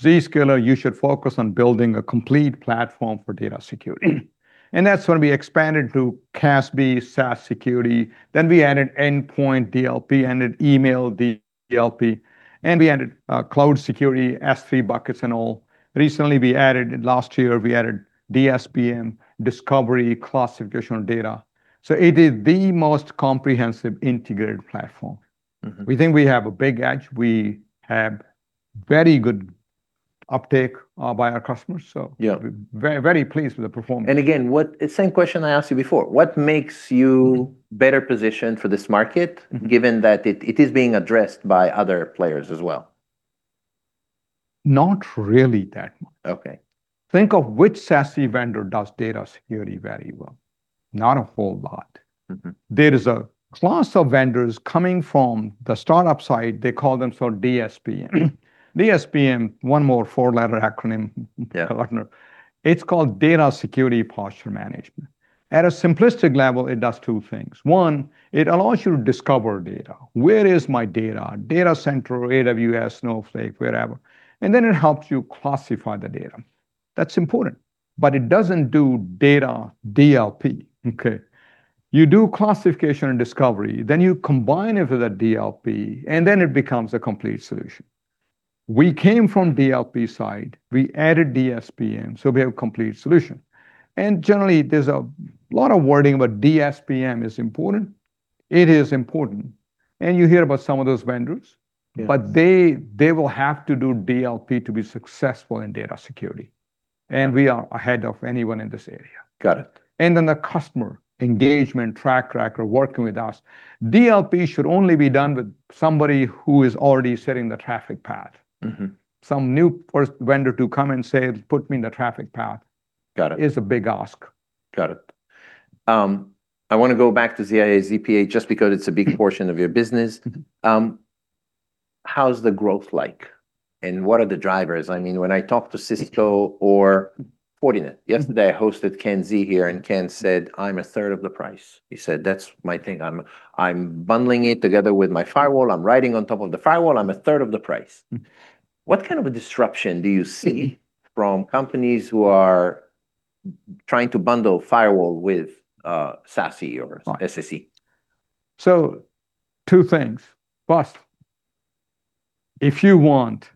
Zscaler, you should focus on building a complete platform for data security." That's when we expanded to CASB, SaaS security. We added Endpoint DLP, added Email DLP, and we added cloud security, S3 buckets, and all. Recently, last year, we added DSPM, discovery classification data. It is the most comprehensive integrated platform. We think we have a big edge. We have very good uptake by our customers. Yeah Very pleased with the performance. Again, the same question I asked you before. What makes you better-positioned for this market, given that it is being addressed by other players as well? Not really that much. Okay. Think of which SASE vendor does data security very well. Not a whole lot. There is a class of vendors coming from the startup side. They call them for DSPM. DSPM, one more four-letter acronym. Yeah Partner. It's called data security posture management. At a simplistic level, it does two things. One, it allows you to discover data. Where is my data? Data center, AWS, Snowflake, wherever. Then it helps you classify the data. That's important. It doesn't do data DLP. Okay. You do classification and discovery, then you combine it with a DLP, then it becomes a complete solution. We came from DLP side, we added DSPM, we have a complete solution. Generally, there's a lot of wording, DSPM is important. It is important. You hear about some of those vendors. Yes. They will have to do DLP to be successful in data security. We are ahead of anyone in this area. Got it. The customer engagement track record working with us. DLP should only be done with somebody who is already setting the traffic path. Some new first vendor to come and say, "Put me in the traffic path" Got it. is a big ask. Got it. I want to go back to ZIA/ZPA just because it's a big portion of your business. How's the growth like, and what are the drivers? When I talk to Cisco or Fortinet. Yesterday, I hosted Ken Xie here, and Ken said, "I'm a third of the price." He said, "That's my thing. I'm bundling it together with my firewall. I'm riding on top of the firewall. I'm a third of the price." What kind of a disruption do you see from companies who are trying to bundle firewall with SASE or SSE? Two things. First, if you want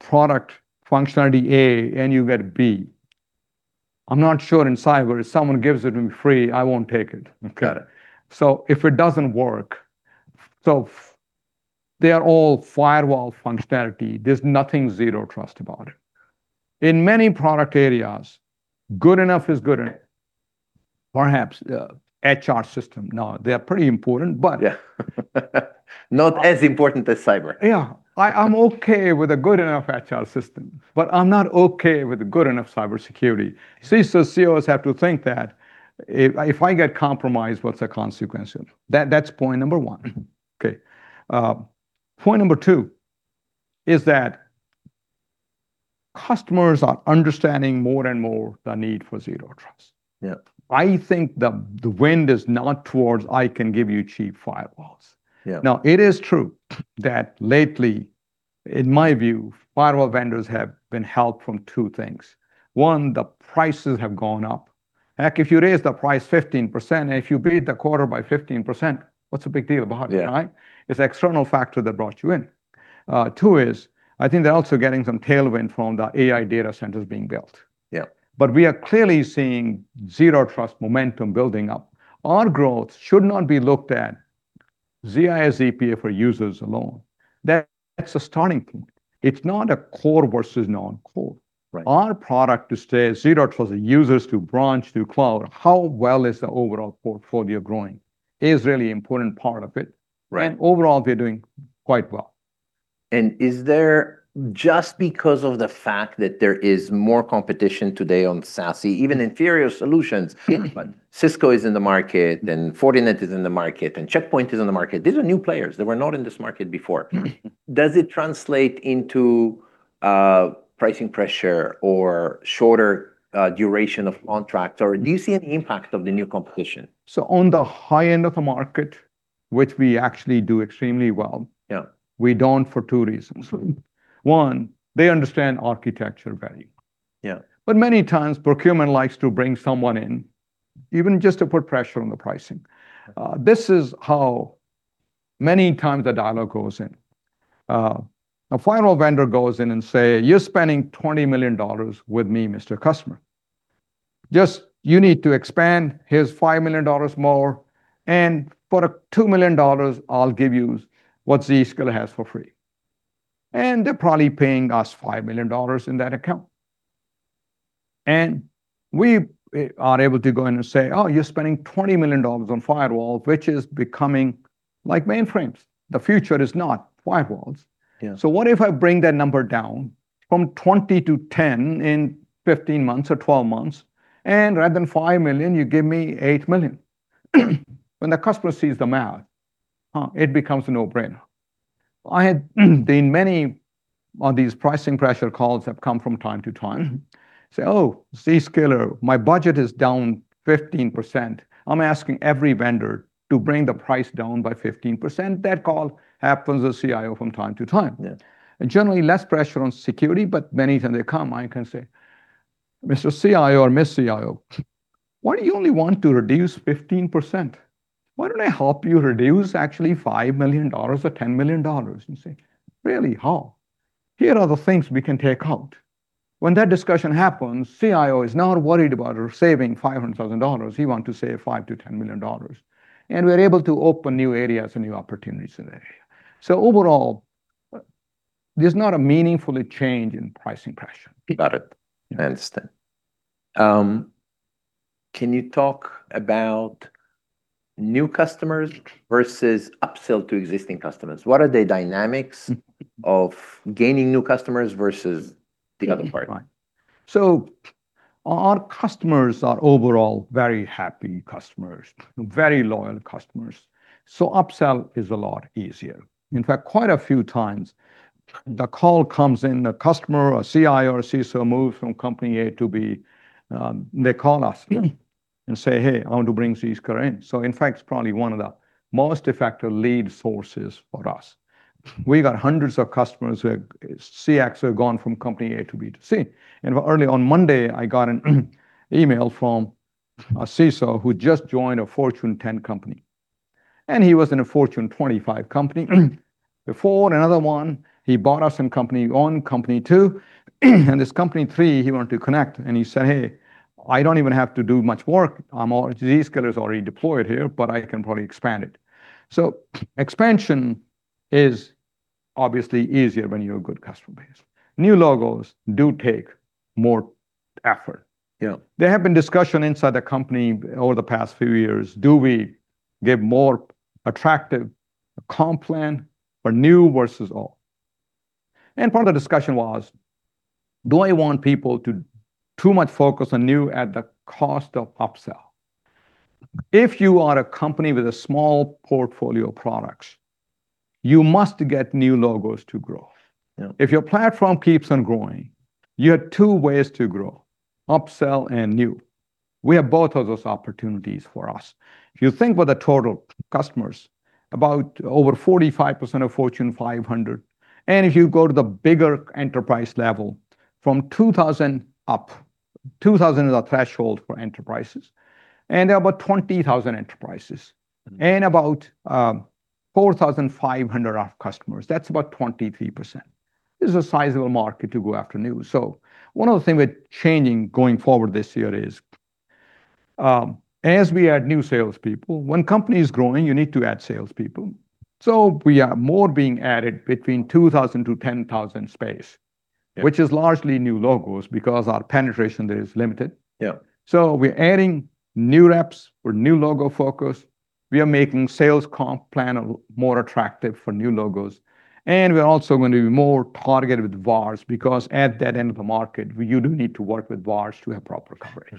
product functionality A and you get B, I'm not sure in cyber if someone gives it to me free, I won't take it. Got it. If it doesn't work, so they are all firewall functionality. There's nothing Zero Trust about it. In many product areas, good enough is good enough. Perhaps HR system, no. They are pretty important. Yeah. Not as important as cyber. Yeah. I'm okay with a good enough HR system, but I'm not okay with a good enough cybersecurity. CEOs have to think that, "If I get compromised, what's the consequences?" That's point number one. Point number two is that customers are understanding more and more the need for Zero Trust. Yeah. I think the wind is not towards I can give you cheap firewalls. Yeah. It is true that lately, in my view, firewall vendors have been helped from two things. one, the prices have gone up. Heck, if you raise the price 15%, if you beat the quarter by 15%, what's the big deal about it, right? Yeah. It's external factor that brought you in. Two is I think they're also getting some tailwind from the AI data centers being built. Yeah. We are clearly seeing Zero Trust momentum building up. Our growth should not be looked at ZIA/ZPA for users alone. That's a starting point. It's not a core versus non-core. Right. Our product to stay Zero Trust users to branch to cloud. How well is the overall portfolio growing is really important part of it. Right. Overall, we're doing quite well. Is there just because of the fact that there is more competition today on SASE, even inferior solutions. Yeah. Cisco is in the market, and Fortinet is in the market, and Check Point is in the market. These are new players. They were not in this market before. Does it translate into pricing pressure or shorter duration of contracts, or do you see an impact of the new competition? On the high end of the market, which we actually do extremely well. Yeah We don't for two reasons. One, they understand architecture value. Yeah. Many times procurement likes to bring someone in, even just to put pressure on the pricing. This is how many times the dialogue goes in. A firewall vendor goes in and say, "You're spending $20 million with me, Mr. Customer. Just you need to expand. Here's $5 million more, and for $2 million, I'll give you what Zscaler has for free." They're probably paying us $5 million in that account. We are able to go in and say, "Oh, you're spending $20 million on firewall, which is becoming like mainframes. The future is not firewalls. Yeah. What if I bring that number down from $20 million to $10 million in 15 months or 12 months, and rather than $5 million, you give me $8 million?" When the customer sees the math, it becomes a no-brainer. I had been many on these pricing pressure calls have come from time to time, say, "Oh, Zscaler, my budget is down 15%. I'm asking every vendor to bring the price down by 15%." That call happens with CIO from time to time. Yeah. Generally less pressure on security, but many times they come. I can say, "Mr. CIO or Miss CIO, why do you only want to reduce 15%? Why don't I help you reduce actually $5 million or $10 million?" You say, "Really? How?" "Here are the things we can take out." When that discussion happens, CIO is not worried about saving $500,000. He want to save $5 million-$10 million. We're able to open new areas and new opportunities in the area. Overall, there's not a meaningful change in pricing pressure. Got it. I understand. Can you talk about new customers versus upsell to existing customers? What are the dynamics of gaining new customers versus the other part? Our customers are overall very happy customers, very loyal customers, so upsell is a lot easier. In fact, quite a few times, the call comes in, the customer or CIO or CISO moves from company A to B, they call us. Yeah Say, "Hey, I want to bring Zscaler in." In fact, it's probably one of the most effective lead sources for us. We got hundreds of customers where CISOs have gone from company A to B to C. Early on Monday, I got an email from a CISO who just joined a Fortune 10 company. He was in a Fortune 25 company before, another one, he bought us in company 1, company 2, and this company 3 he wanted to connect, and he said, "Hey, I don't even have to do much work. Zscaler's already deployed here, I can probably expand it." Expansion is obviously easier when you have good customer base. New logos do take more effort. Yeah. There have been discussion inside the company over the past few years, do we give more attractive comp plan for new versus old? Part of the discussion was, do I want people to too much focus on new at the cost of upsell? If you are a company with a small portfolio of products, you must get new logos to grow. Yeah. If your platform keeps on growing, you have two ways to grow: upsell and new. We have both of those opportunities for us. If you think about the total customers, about over 45% of Fortune 500, and if you go to the bigger enterprise level, from 2,000 up, 2,000 is our threshold for enterprises, and there are about 20,000 enterprises. About 4,500 are customers. That's about 23%. This is a sizable market to go after new. One of the things we're changing going forward this year is, as we add new salespeople, when company is growing, you need to add salespeople. We are more being added between 2,000 to 10,000 space. Yeah. Which is largely new logos because our penetration there is limited. Yeah. We're adding new reps for new logo focus. We are making sales comp plan more attractive for new logos, and we're also going to be more targeted with VARs because at that end of the market, you do need to work with VARs to have proper coverage.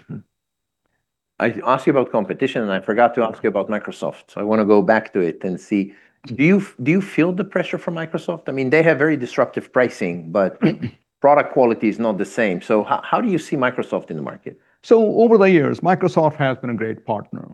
I asked you about competition, and I forgot to ask you about Microsoft, so I want to go back to it and see. Do you feel the pressure from Microsoft? They have very disruptive pricing, but product quality is not the same. How do you see Microsoft in the market? Over the years, Microsoft has been a great partner.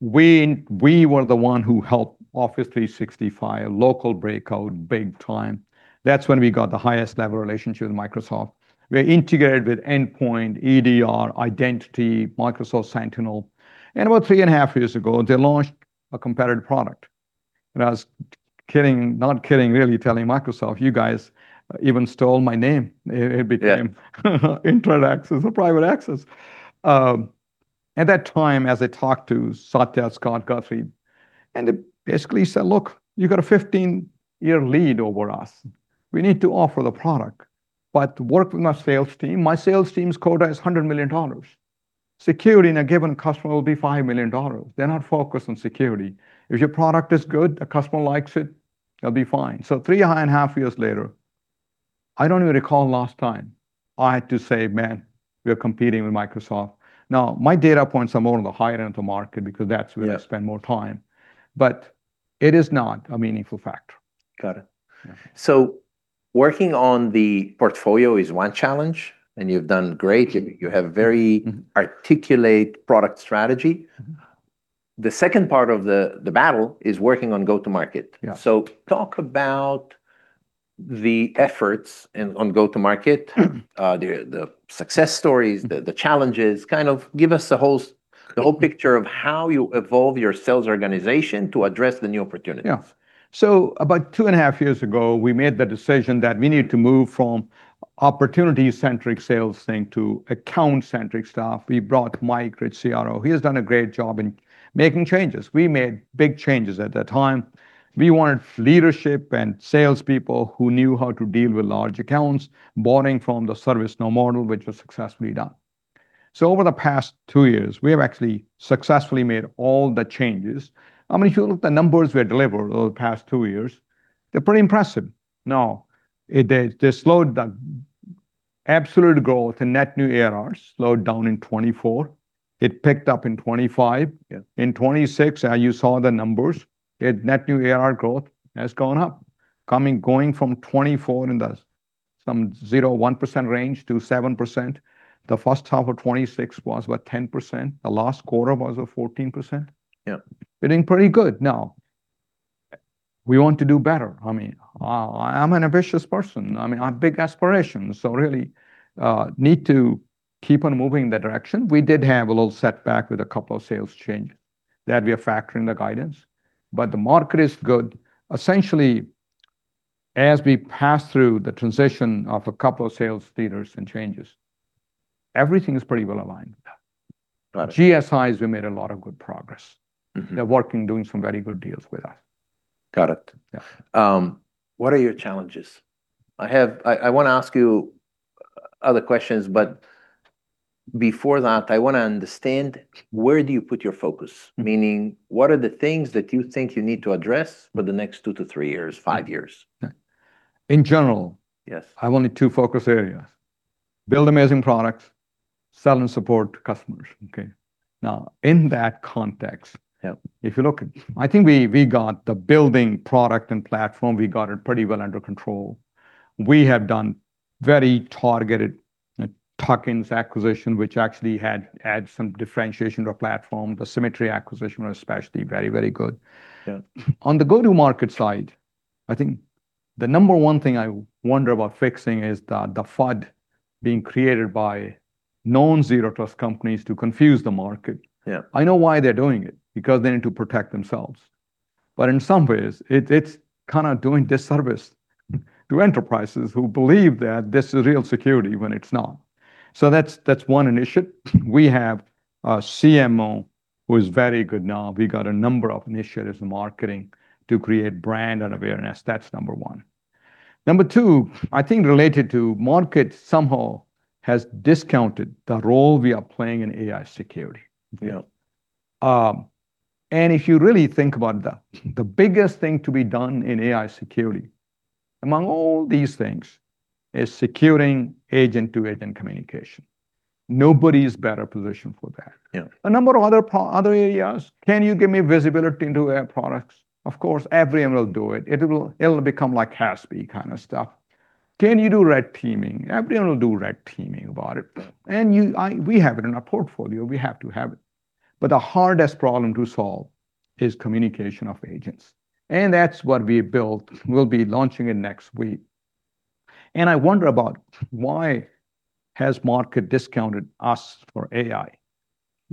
We were the one who helped Microsoft 365 local breakout big time. That's when we got the highest level relationship with Microsoft. We're integrated with Endpoint, EDR, identity, Microsoft Sentinel, and about three and a half years ago, they launched a competitive product. I was not kidding, really telling Microsoft, "You guys even stole my name. Yeah Internet Access or Private Access. At that time, as I talked to Satya Nadella, Scott Guthrie, they basically said, "Look, you got a 15-year lead over us. We need to offer the product. Work with my sales team. My sales team's quota is $100 million. Security in a given customer will be $5 million. They're not focused on security. If your product is good, the customer likes it, they'll be fine." Three and a half years later, I don't even recall last time I had to say, "Man, we're competing with Microsoft." My data points are more on the higher end of the market because that's where- Yeah I spend more time, but it is not a meaningful factor. Got it. Working on the portfolio is one challenge, and you've done great. Yeah. You have very articulate product strategy. The second part of the battle is working on go-to-market. Yeah. Talk about the efforts on go-to-market. The success stories, the challenges. Kind of give us the whole picture of how you evolve your sales organization to address the new opportunities. Yeah. About two and a half years ago, we made the decision that we need to move from opportunity-centric sales thing to account-centric stuff. We brought Mike, great CRO. He has done a great job in making changes. We made big changes at that time. We wanted leadership and salespeople who knew how to deal with large accounts, borrowing from the ServiceNow model, which was successfully done. Over the past two years, we have actually successfully made all the changes. I mean, if you look at the numbers we have delivered over the past two years, they're pretty impressive. Now, they slowed down. Absolute growth and net new ARR slowed down in 2024. It picked up in 2025. Yeah. In 2026, you saw the numbers, net new ARR growth has gone up. Going from 2024 in the 0%-1% range to 7%. The first half of 2026 was what? 10%. The last quarter was what? 14%. Yeah. Doing pretty good. We want to do better. I'm an ambitious person. I have big aspirations. Really need to keep on moving in that direction. We did have a little setback with a couple of sales changes that we are factoring the guidance. The market is good. As we pass through the transition of a couple of sales leaders and changes, everything is pretty well-aligned with that. Got it. GSIs, we made a lot of good progress. They're working, doing some very good deals with us. Got it. Yeah. What are your challenges? I want to ask you other questions, but before that, I want to understand where do you put your focus? Meaning, what are the things that you think you need to address for the next two to three years, five years? Okay. In general- Yes I've only two focus areas, build amazing products, sell and support customers. Okay. Yeah if you look, I think we got the building product and platform, we got it pretty well under control. We have done very targeted tuck-ins acquisition, which actually had add some differentiation to our platform. The Symmetry Systems acquisition was especially very, very good. Yeah. On the go-to-market side, I think the number one thing I wonder about fixing is the FUD being created by non-Zero Trust companies to confuse the market. Yeah. I know why they're doing it, because they need to protect themselves. In some ways, it's kind of doing disservice to enterprises who believe that this is real security when it's not. That's one initiative. We have a CMO who's very good now. We got a number of initiatives in marketing to create brand and awareness. That's number one. Number two, I think related to market somehow has discounted the role we are playing in AI security. Yeah. If you really think about that, the biggest thing to be done in AI security, among all these things, is securing agent-to-agent communication. Nobody's better-positioned for that. Yeah. A number of other areas. Can you give me visibility into our products? Of course, everyone will do it. It'll become like CASB kind of stuff. Can you do red teaming? Everyone will do red teaming about it. We have it in our portfolio. We have to have it. The hardest problem to solve is communication of agents. That's what we built. We'll be launching it next week. I wonder about why has market discounted us for AI?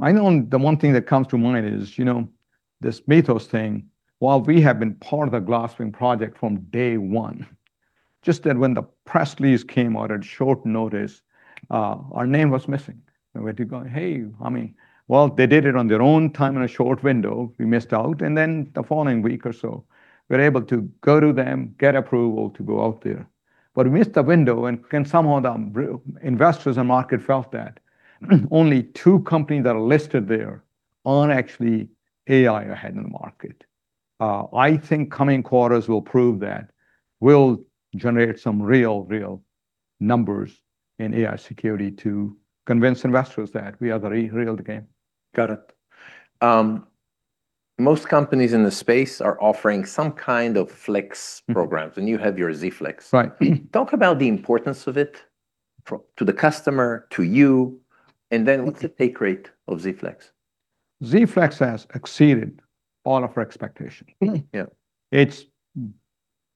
I know the one thing that comes to mind is this Meta thing, while we have been part of the Glasswing Project from day one, just that when the press release came out at short notice, our name was missing, and we did go, "Hey." Well, they did it on their own time in a short window. We missed out. The following week or so, we're able to go to them, get approval to go out there. We missed the window and some of the investors and market felt that only two companies that are listed there aren't actually AI ahead in the market. I think coming quarters will prove that we'll generate some real numbers in AI security to convince investors that we are the real deal. Got it. Most companies in the space are offering some kind of flex programs. You have your Z-Flex. Right. Talk about the importance of it to the customer, to you, and then what's the take rate of Z-Flex? Z-Flex has exceeded all of our expectations. Yeah. It's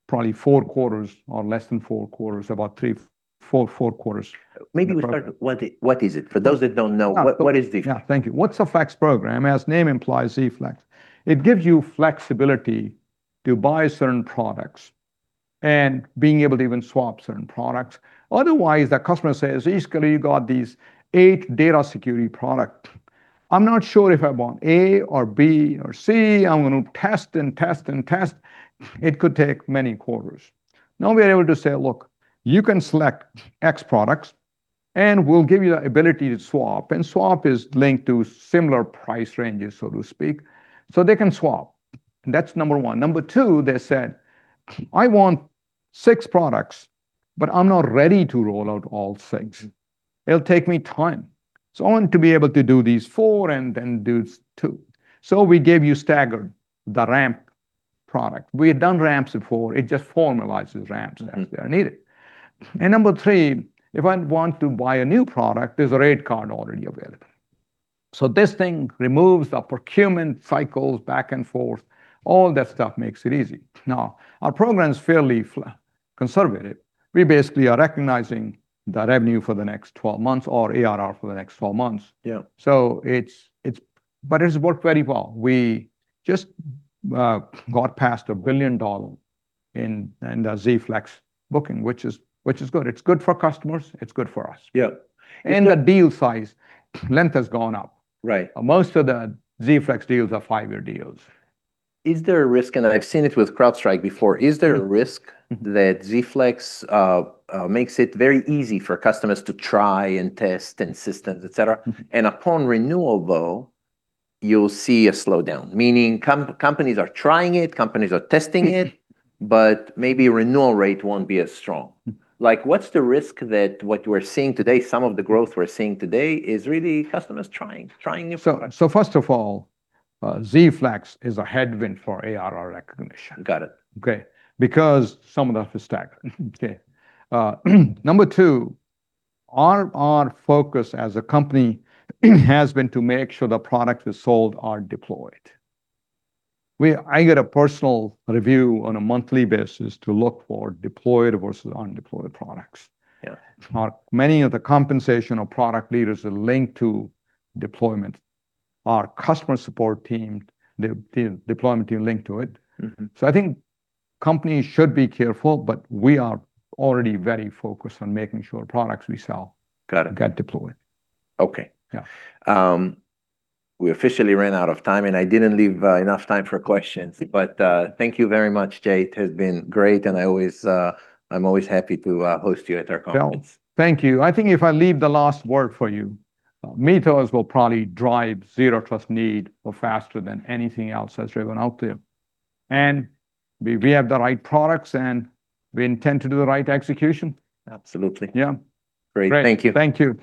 probably four quarters or less than four quarters, about three, four quarters. Maybe we start, what is it? For those that don't know, what is Z-Flex? Yeah, thank you. What's a Flex program? As the name implies, Z-Flex. It gives you flexibility to buy certain products and being able to even swap certain products. Otherwise, the customer says, "Zscaler, you got these eight data security products. I'm not sure if I want A or B or C. I'm going to test and test and test." It could take many quarters. We're able to say, "Look, you can select X products, and we'll give you the ability to swap." Swap is linked to similar price ranges, so to speak. They can swap, and that's number one. Number two, they said, "I want six products, but I'm not ready to roll out all six. It'll take me time. I want to be able to do these four and then do two." We gave you staggered, the ramp product. We had done ramps before. It just formalizes ramps as they are needed. Number three, if I want to buy a new product, there's a Red Canary already available. This thing removes the procurement cycles back and forth. All that stuff makes it easy. Our program's fairly conservative. We basically are recognizing the revenue for the next 12 months or ARR for the next 12 months. Yeah. It's worked very well. We just got past $1 billion in the Z-Flex booking, which is good. It's good for customers, it's good for us. Yep. The deal size length has gone up. Right. Most of the Z-Flex deals are five-year deals. Is there a risk, and I've seen it with CrowdStrike before, is there a risk that Z-Flex makes it very easy for customers to try and test and systems, et cetera? Upon renewal, though, you'll see a slowdown. Meaning companies are trying it, companies are testing it, but maybe renewal rate won't be as strong. What's the risk that what we're seeing today, some of the growth we're seeing today is really customers trying new products. First of all, Z-Flex is a headwind for ARR recognition. Got it. Okay. Because some of that is staggered. Okay. Number two, our focus as a company has been to make sure the products we sold are deployed. I get a personal review on a monthly basis to look for deployed versus undeployed products. Yeah. Many of the compensation or product leaders are linked to deployment. Our customer support team, the deployment team linked to it. I think companies should be careful, but we are already very focused on making sure products we sell. Got it. get deployed. Okay. Yeah. We officially ran out of time, and I didn't leave enough time for questions, but thank you very much, Jay. It has been great, and I'm always happy to host you at our conference. Thank you. I think if I leave the last word for you, Meta will probably drive Zero Trust need faster than anything else that's driven out there. We have the right products, and we intend to do the right execution. Absolutely. Yeah. Great. Thank you.